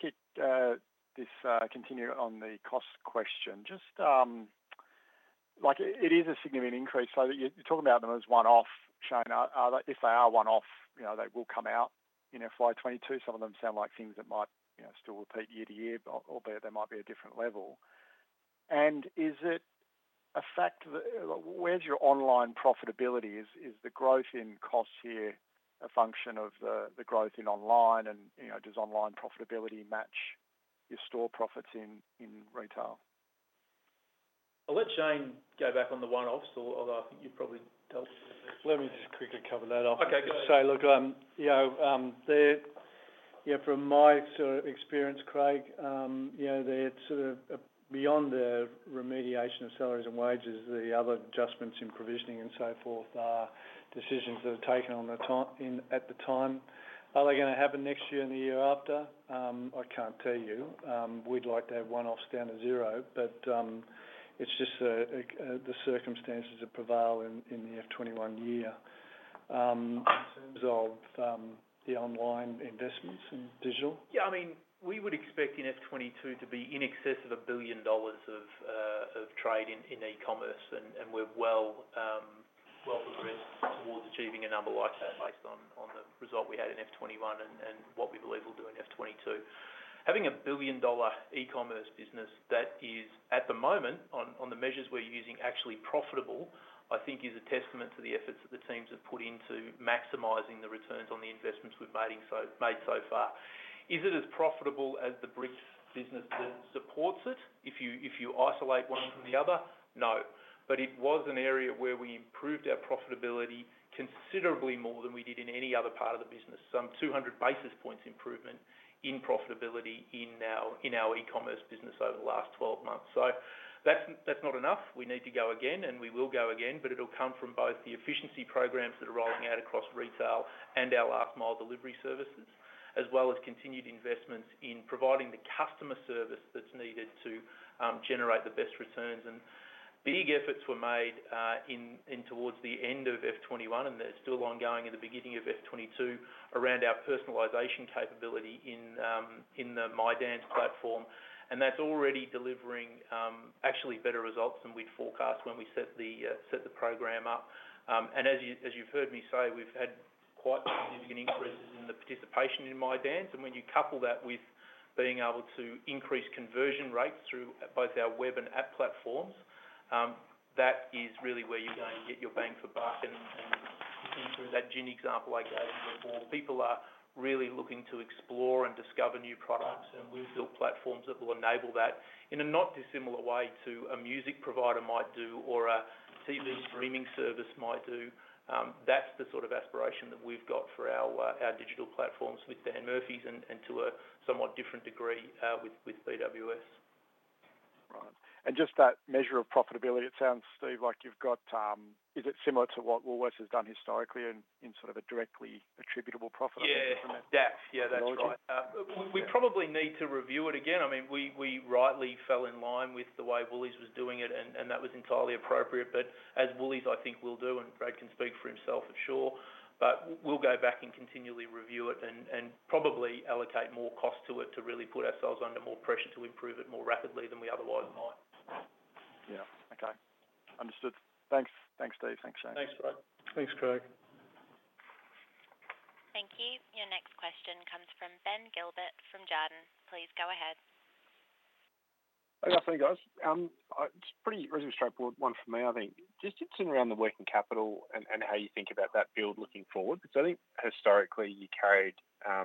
continue on the cost question. It is a significant increase. You're talking about them as one-off, Shane. If they are one-off, they will come out in FY 2022. Some of them sound like things that might still repeat year to year, albeit they might be a different level. Is it a fact that where's your online profitability? Is the growth in costs here a function of the growth in online? Does online profitability match your store profits in retail? I'll let Shane go back on the one-offs, although I think you've probably dealt with it. Let me just quickly cover that off. Okay, go ahead. From my sort of experience, Craig they're sort of beyond the remediation of salaries and wages, the other adjustments in provisioning and so forth are decisions that are taken at the time. Are they going to happen next year and the year after? I can't tell you. We'd like to have one-offs down to zero, but it's just the circumstances that prevail in the FY 2021 year. In terms of the online investments in digital? We would expect in FY 2022 to be in excess of 1 billion dollars of trade in e-commerce, and we're well progressed towards achieving a number like that based on the result we had in FY 2021 and what we believe we'll do in FY 2022. Having a billion-dollar e-commerce business that is, at the moment, on the measures we're using, actually profitable, I think is a testament to the efforts that the teams have put into maximizing the returns on the investments we've made so far. Is it as profitable as the bricks business that supports it? If you isolate one from the other, no. It was an area where we improved our profitability considerably more than we did in any other part of the business. Some 200 basis points improvement in profitability in our e-commerce business over the last 12 months. That's not enough. We need to go again, and we will go again, but it'll come from both the efficiency programs that are rolling out across retail and our last mile delivery services, as well as continued investments in providing the customer service that's needed to generate the best returns. Big efforts were made towards the end of FY 2021, and they're still ongoing at the beginning of FY 2022, around our personalization capability in the My Dan's platform. That's already delivering actually better results than we'd forecast when we set the program up. As you've heard me say, we've had quite significant increases in the participation in My Dan's. When you couple that with being able to increase conversion rates through both our web and app platforms, that is really where you're going to get your bang for buck. Through that gin example I gave before, people are really looking to explore and discover new products, and we've built platforms that will enable that in a not dissimilar way to a music provider might do or a TV streaming service might do. That's the sort of aspiration that we've got for our digital platforms with Dan Murphy's and to a somewhat different degree with BWS. Right. Just that measure of profitability, it sounds, Steve, Is it similar to what Woolworths has done historically in sort of a directly attributable profit, I think you called it? Yeah, that's right. Analogy. We probably need to review it again. We rightly fell in line with the way Woolies was doing it, and that was entirely appropriate. As Woolies, I think we'll do, and Brad can speak for himself for sure, but we'll go back and continually review it and probably allocate more cost to it to really put ourselves under more pressure to improve it more rapidly than we otherwise might. Yeah. Okay. Understood. Thanks. Thanks, Steve. Thanks, Shane. Thanks, Craig. Thanks, Craig. Thank you. Your next question comes from Ben Gilbert from Jarden. Please go ahead. Hey, good afternoon, guys. It's a pretty reasonably straightforward one for me, I think. Just touching around the working capital and how you think about that build looking forward, because I think historically you carried a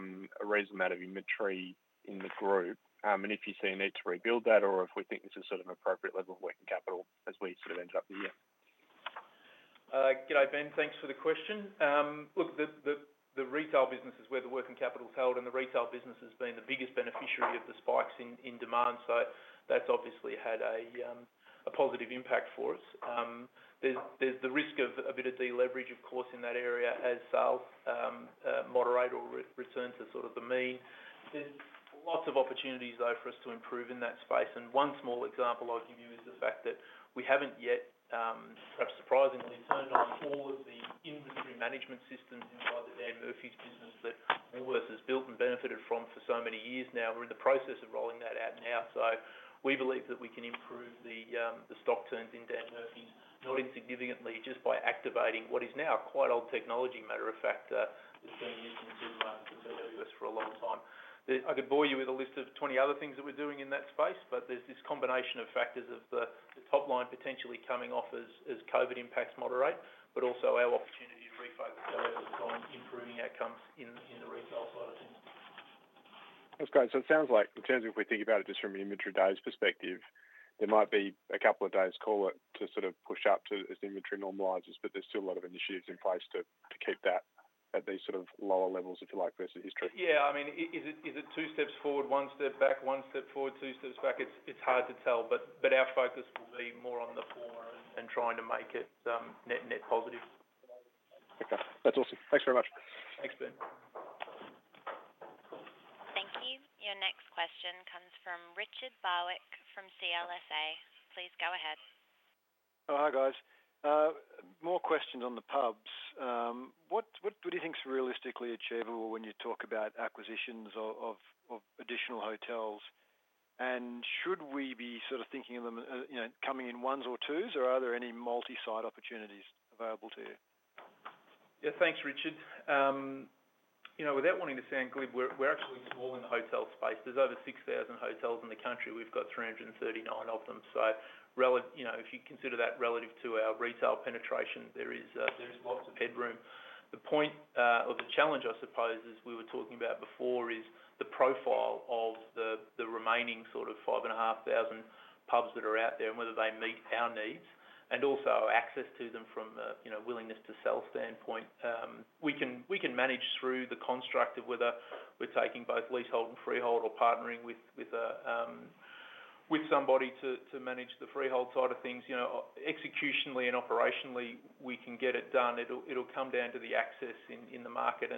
reasonable amount of inventory in the group, and if you see a need to rebuild that or if we think this is sort of an appropriate level of working capital as we sort of end up the year. Good day, Ben. Thanks for the question. Look, the retail business is where the working capital's held, and the retail business has been the biggest beneficiary of the spikes in demand. That's obviously had a positive impact for us. There's the risk of a bit of deleverage, of course, in that area as sales moderate or return to sort of the mean. Lots of opportunities, though, for us to improve in that space. One small example I'll give you is the fact that we haven't yet, perhaps surprisingly, turned on all of the inventory management systems inside the Dan Murphy's business that Woolworths has built and benefited from for so many years now. We're in the process of rolling that out now. We believe that we can improve the stock turns in Dan Murphy's, not insignificantly, just by activating what is now a quite old technology, matter of fact, that's been in use in Woolworths for a long time. I could bore you with a list of 20 other things that we're doing in that space, but there's this combination of factors of the top line potentially coming off as COVID impacts moderate, but also our opportunity to refocus those on improving outcomes in the retail side of things. That's great. It sounds like in terms of if we think about it just from an inventory days perspective, there might be a couple of days call it to sort of push up to as the inventory normalizes, but there's still a lot of initiatives in place to keep that at these sort of lower levels, if you like, versus history. Yeah. Is it two steps forward, one step back, one step forward, two steps back? It's hard to tell, but our focus will be more on the former and trying to make it net positive. Okay. That's awesome. Thanks very much. Thanks, Ben. Thank you. Your next question comes from Richard Barwick from CLSA. Please go ahead. Oh, hi guys. More questions on the pubs. What do you think is realistically achievable when you talk about acquisitions of additional hotels? Should we be sort of thinking of them coming in ones or twos, or are there any multi-site opportunities available to you? Yeah. Thanks, Richard. Without wanting to sound glib, we're actually small in the hotel space. There's over 6,000 hotels in the country. We've got 339 of them. If you consider that relative to our retail penetration, there is lots of headroom. The point or the challenge, I suppose, as we were talking about before, is the profile of the remaining sort of 5,500 pubs that are out there and whether they meet our needs, and also access to them from a willingness to sell standpoint. We can manage through the construct of whether we're taking both leasehold and freehold or partnering with somebody to manage the freehold side of things. Executionally and operationally, we can get it done. It'll come down to the access in the market.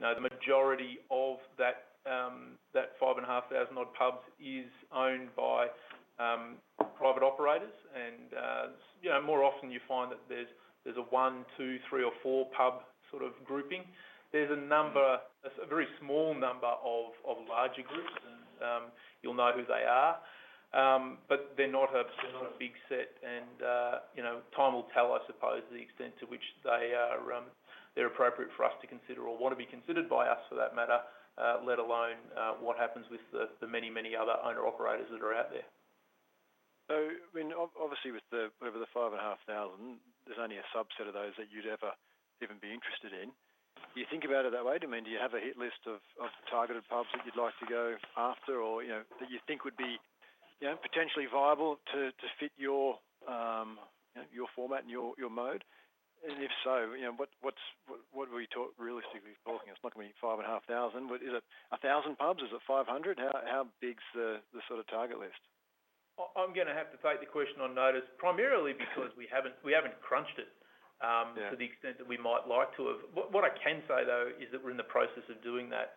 The majority of that 5,500 odd pubs is owned by private operators. More often you find that there's a one, two, three, or four pub sort of grouping. There's a very small number of larger groups, and you'll know who they are. They're not a big set and time will tell, I suppose, the extent to which they're appropriate for us to consider or want to be considered by us for that matter, let alone what happens with the many, many other owner-operators that are out there. Obviously with the 5,500, there's only a subset of those that you'd ever even be interested in. Do you think about it that way? Do you have a hit list of targeted pubs that you'd like to go after or that you think would be potentially viable to fit your format and your mode? If so, what are we realistically talking? It's not going to be 5,500. Is it 1,000 pubs? Is it 500? How big is the sort of target list? I'm going to have to take the question on notice, primarily because we haven't crunched it. Yeah. To the extent that we might like to have. What I can say, though, is that we're in the process of doing that.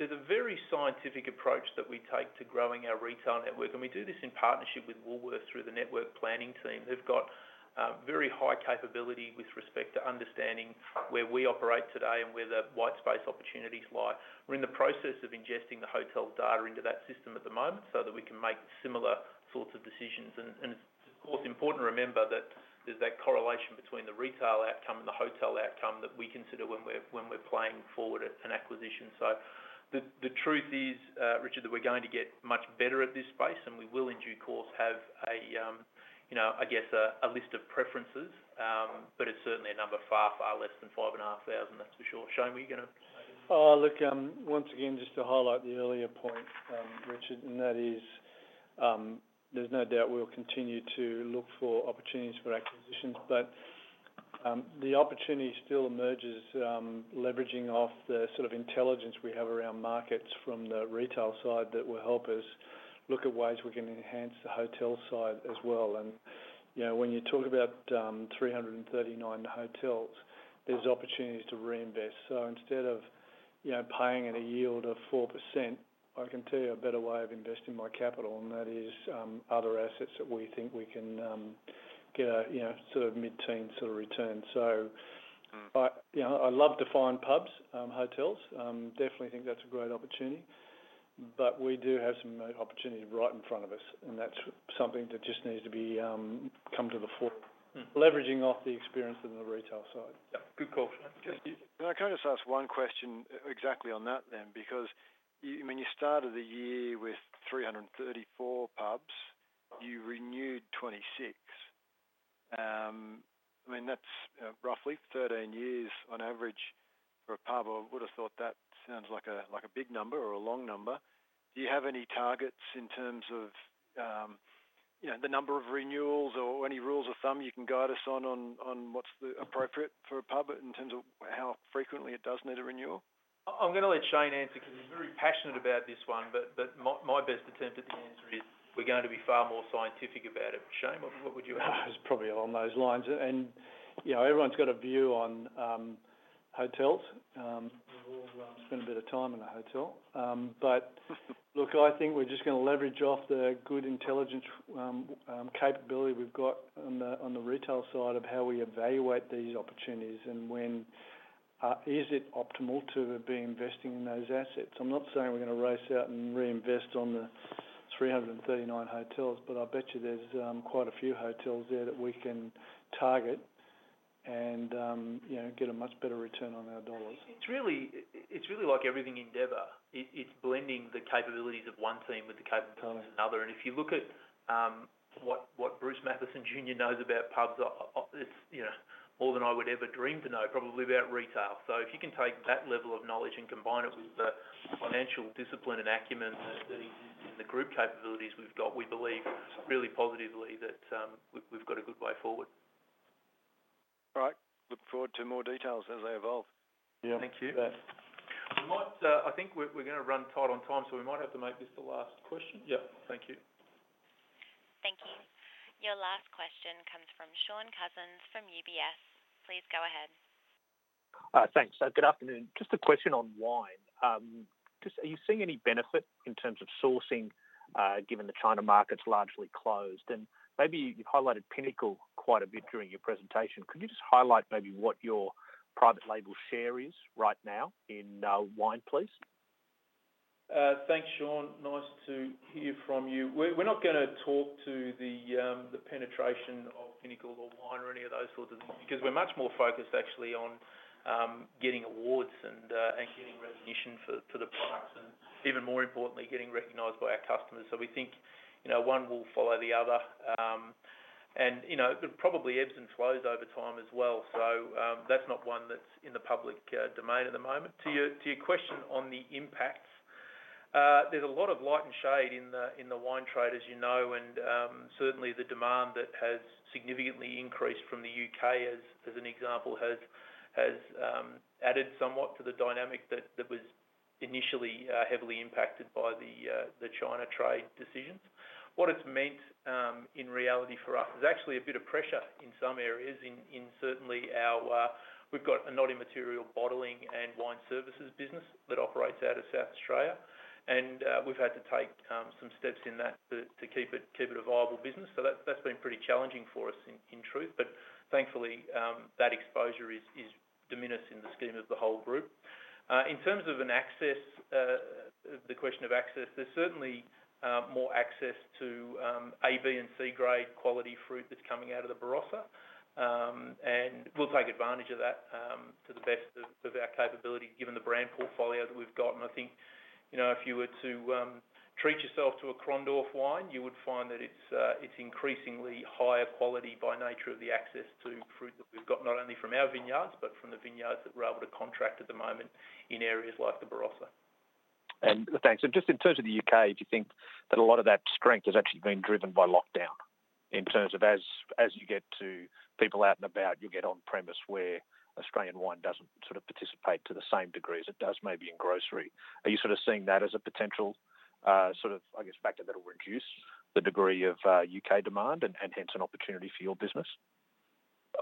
There's a very scientific approach that we take to growing our retail network, and we do this in partnership with Woolworths through the network planning team. They've got very high capability with respect to understanding where we operate today and where the white space opportunities lie. We're in the process of ingesting the hotel data into that system at the moment so that we can make similar sorts of decisions. It's, of course, important to remember that there's that correlation between the retail outcome and the hotel outcome that we consider when we're planning forward an acquisition. The truth is, Richard, that we're going to get much better at this space, and we will, in due course, have, I guess, a list of preferences. It's certainly a number far, far less than 5,500, that's for sure. Shane, were you going to say anything? Once again, just to highlight the earlier point, Richard, that is, there's no doubt we'll continue to look for opportunities for acquisitions. The opportunity still emerges leveraging off the sort of intelligence we have around markets from the retail side that will help us look at ways we can enhance the hotel side as well. When you talk about 339 hotels, there's opportunities to reinvest. Instead of paying at a yield of 4%, I can tell you a better way of investing my capital, and that is other assets that we think we can get a mid-teen sort of return. I love to find pubs, hotels. Definitely think that's a great opportunity. We do have some opportunity right in front of us, and that's something that just needs to come to the fore, leveraging off the experience in the retail side. Yeah. Good call, Shane. Thank you. Can I just ask one question exactly on that then? When you started the year with 334 pubs, you renewed 26. That's roughly 13 years on average for a pub. I would've thought that sounds like a big number or a long number. Do you have any targets in terms of the number of renewals or any rules of thumb you can guide us on what's appropriate for a pub in terms of how frequently it does need a renewal? I'm going to let Shane answer because this one, but my best attempt at the answer is we're going to be far more scientific about it. Shane, what would you add? It's probably along those lines. Everyone's got a view on hotels. We've all spent a bit of time in a hotel. Look, I think we're just going to leverage off the good intelligence capability we've got on the retail side of how we evaluate these opportunities, and when is it optimal to be investing in those assets. I'm not saying we're going to race out and reinvest on the 339 hotels, I bet you there's quite a few hotels there that we can target and get a much better return on our dollars. It's really like everything Endeavour. It's blending the capabilities of one team with the capabilities of another. If you look at what Bruce Mathieson Jr knows about pubs, it's more than I would ever dream to know, probably, about retail. If you can take that level of knowledge and combine it with the financial discipline and acumen that is in the group capabilities we've got, we believe really positively that we've got a good way forward. All right. Look forward to more details as they evolve. Yeah. Thank you. Yes. I think we're going to run tight on time, so we might have to make this the last question. Yeah. Thank you. Thank you. Your last question comes from Shaun Cousins from UBS. Please go ahead. Thanks. Good afternoon. Just a question on wine. Are you seeing any benefit in terms of sourcing, given the China market's largely closed? Maybe you've highlighted Pinnacle quite a bit during your presentation. Could you just highlight maybe what your private label share is right now in wine, please? Thanks, Shaun. Nice to hear from you. We're not going to talk to the penetration of Pinnacle or wine or any of those sorts of things, because we're much more focused actually on getting awards and getting recognition for the products, and even more importantly, getting recognized by our customers. It probably ebbs and flows over time as well. That's not one that's in the public domain at the moment. To your question on the impacts, there's a lot of light and shade in the wine trade, as you know, and certainly the demand that has significantly increased from the U.K., as an example, has added somewhat to the dynamic that was initially heavily impacted by the China trade decisions. What it's meant in reality for us is actually a bit of pressure in some areas. We've got a non-material bottling and wine services business that operates out of South Australia. We've had to take some steps in that to keep it a viable business. That's been pretty challenging for us, in truth. Thankfully, that exposure is diminished in the scheme of the whole group. In terms of the question of access, there's certainly more access to A, B, and C grade quality fruit that's coming out of the Barossa. We'll take advantage of that to the best of our capability, given the brand portfolio that we've got. I think, if you were to treat yourself to a Krondorf wine, you would find that it's increasingly higher quality by nature of the access to fruit that we've got, not only from our vineyards, but from the vineyards that we're able to contract at the moment in areas like the Barossa. Thanks. Just in terms of the U.K., do you think that a lot of that strength has actually been driven by lockdown, in terms of as you get to people out and about, you get on premise where Australian wine doesn't participate to the same degree as it does maybe in grocery. Are you seeing that as a potential, I guess, factor that will reduce the degree of U.K. demand and hence an opportunity for your business?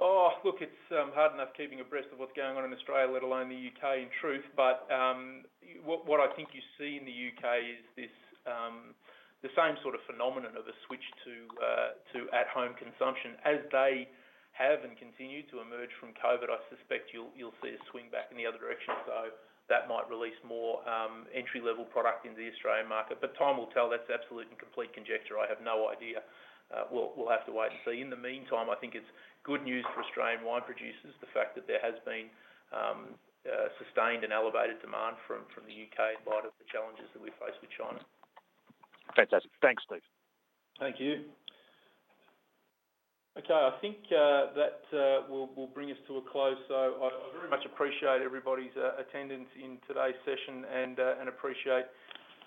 Oh, look, it's hard enough keeping abreast of what's going on in Australia, let alone the U.K., in truth. What I think you see in the U.K. is the same sort of phenomenon of a switch to at home consumption. As they have and continue to emerge from COVID-19, I suspect you'll see a swing back in the other direction. That might release more entry-level product in the Australian market, but time will tell. That's absolute and complete conjecture. I have no idea. We'll have to wait and see. In the meantime, I think it's good news for Australian wine producers, the fact that there has been sustained and elevated demand from the U.K. in light of the challenges that we face with China. Fantastic. Thanks, Steve. Thank you. Okay. I think that will bring us to a close, so I very much appreciate everybody's attendance in today's session and appreciate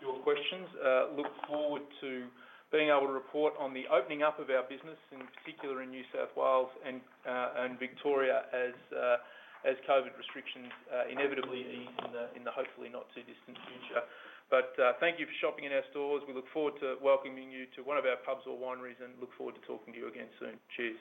your questions. Look forward to being able to report on the opening up of our business, in particular in New South Wales and Victoria, as COVID restrictions inevitably ease in the hopefully not too distant future. Thank you for shopping in our stores. We look forward to welcoming you to one of our pubs or wineries, and look forward to talking to you again soon. Cheers.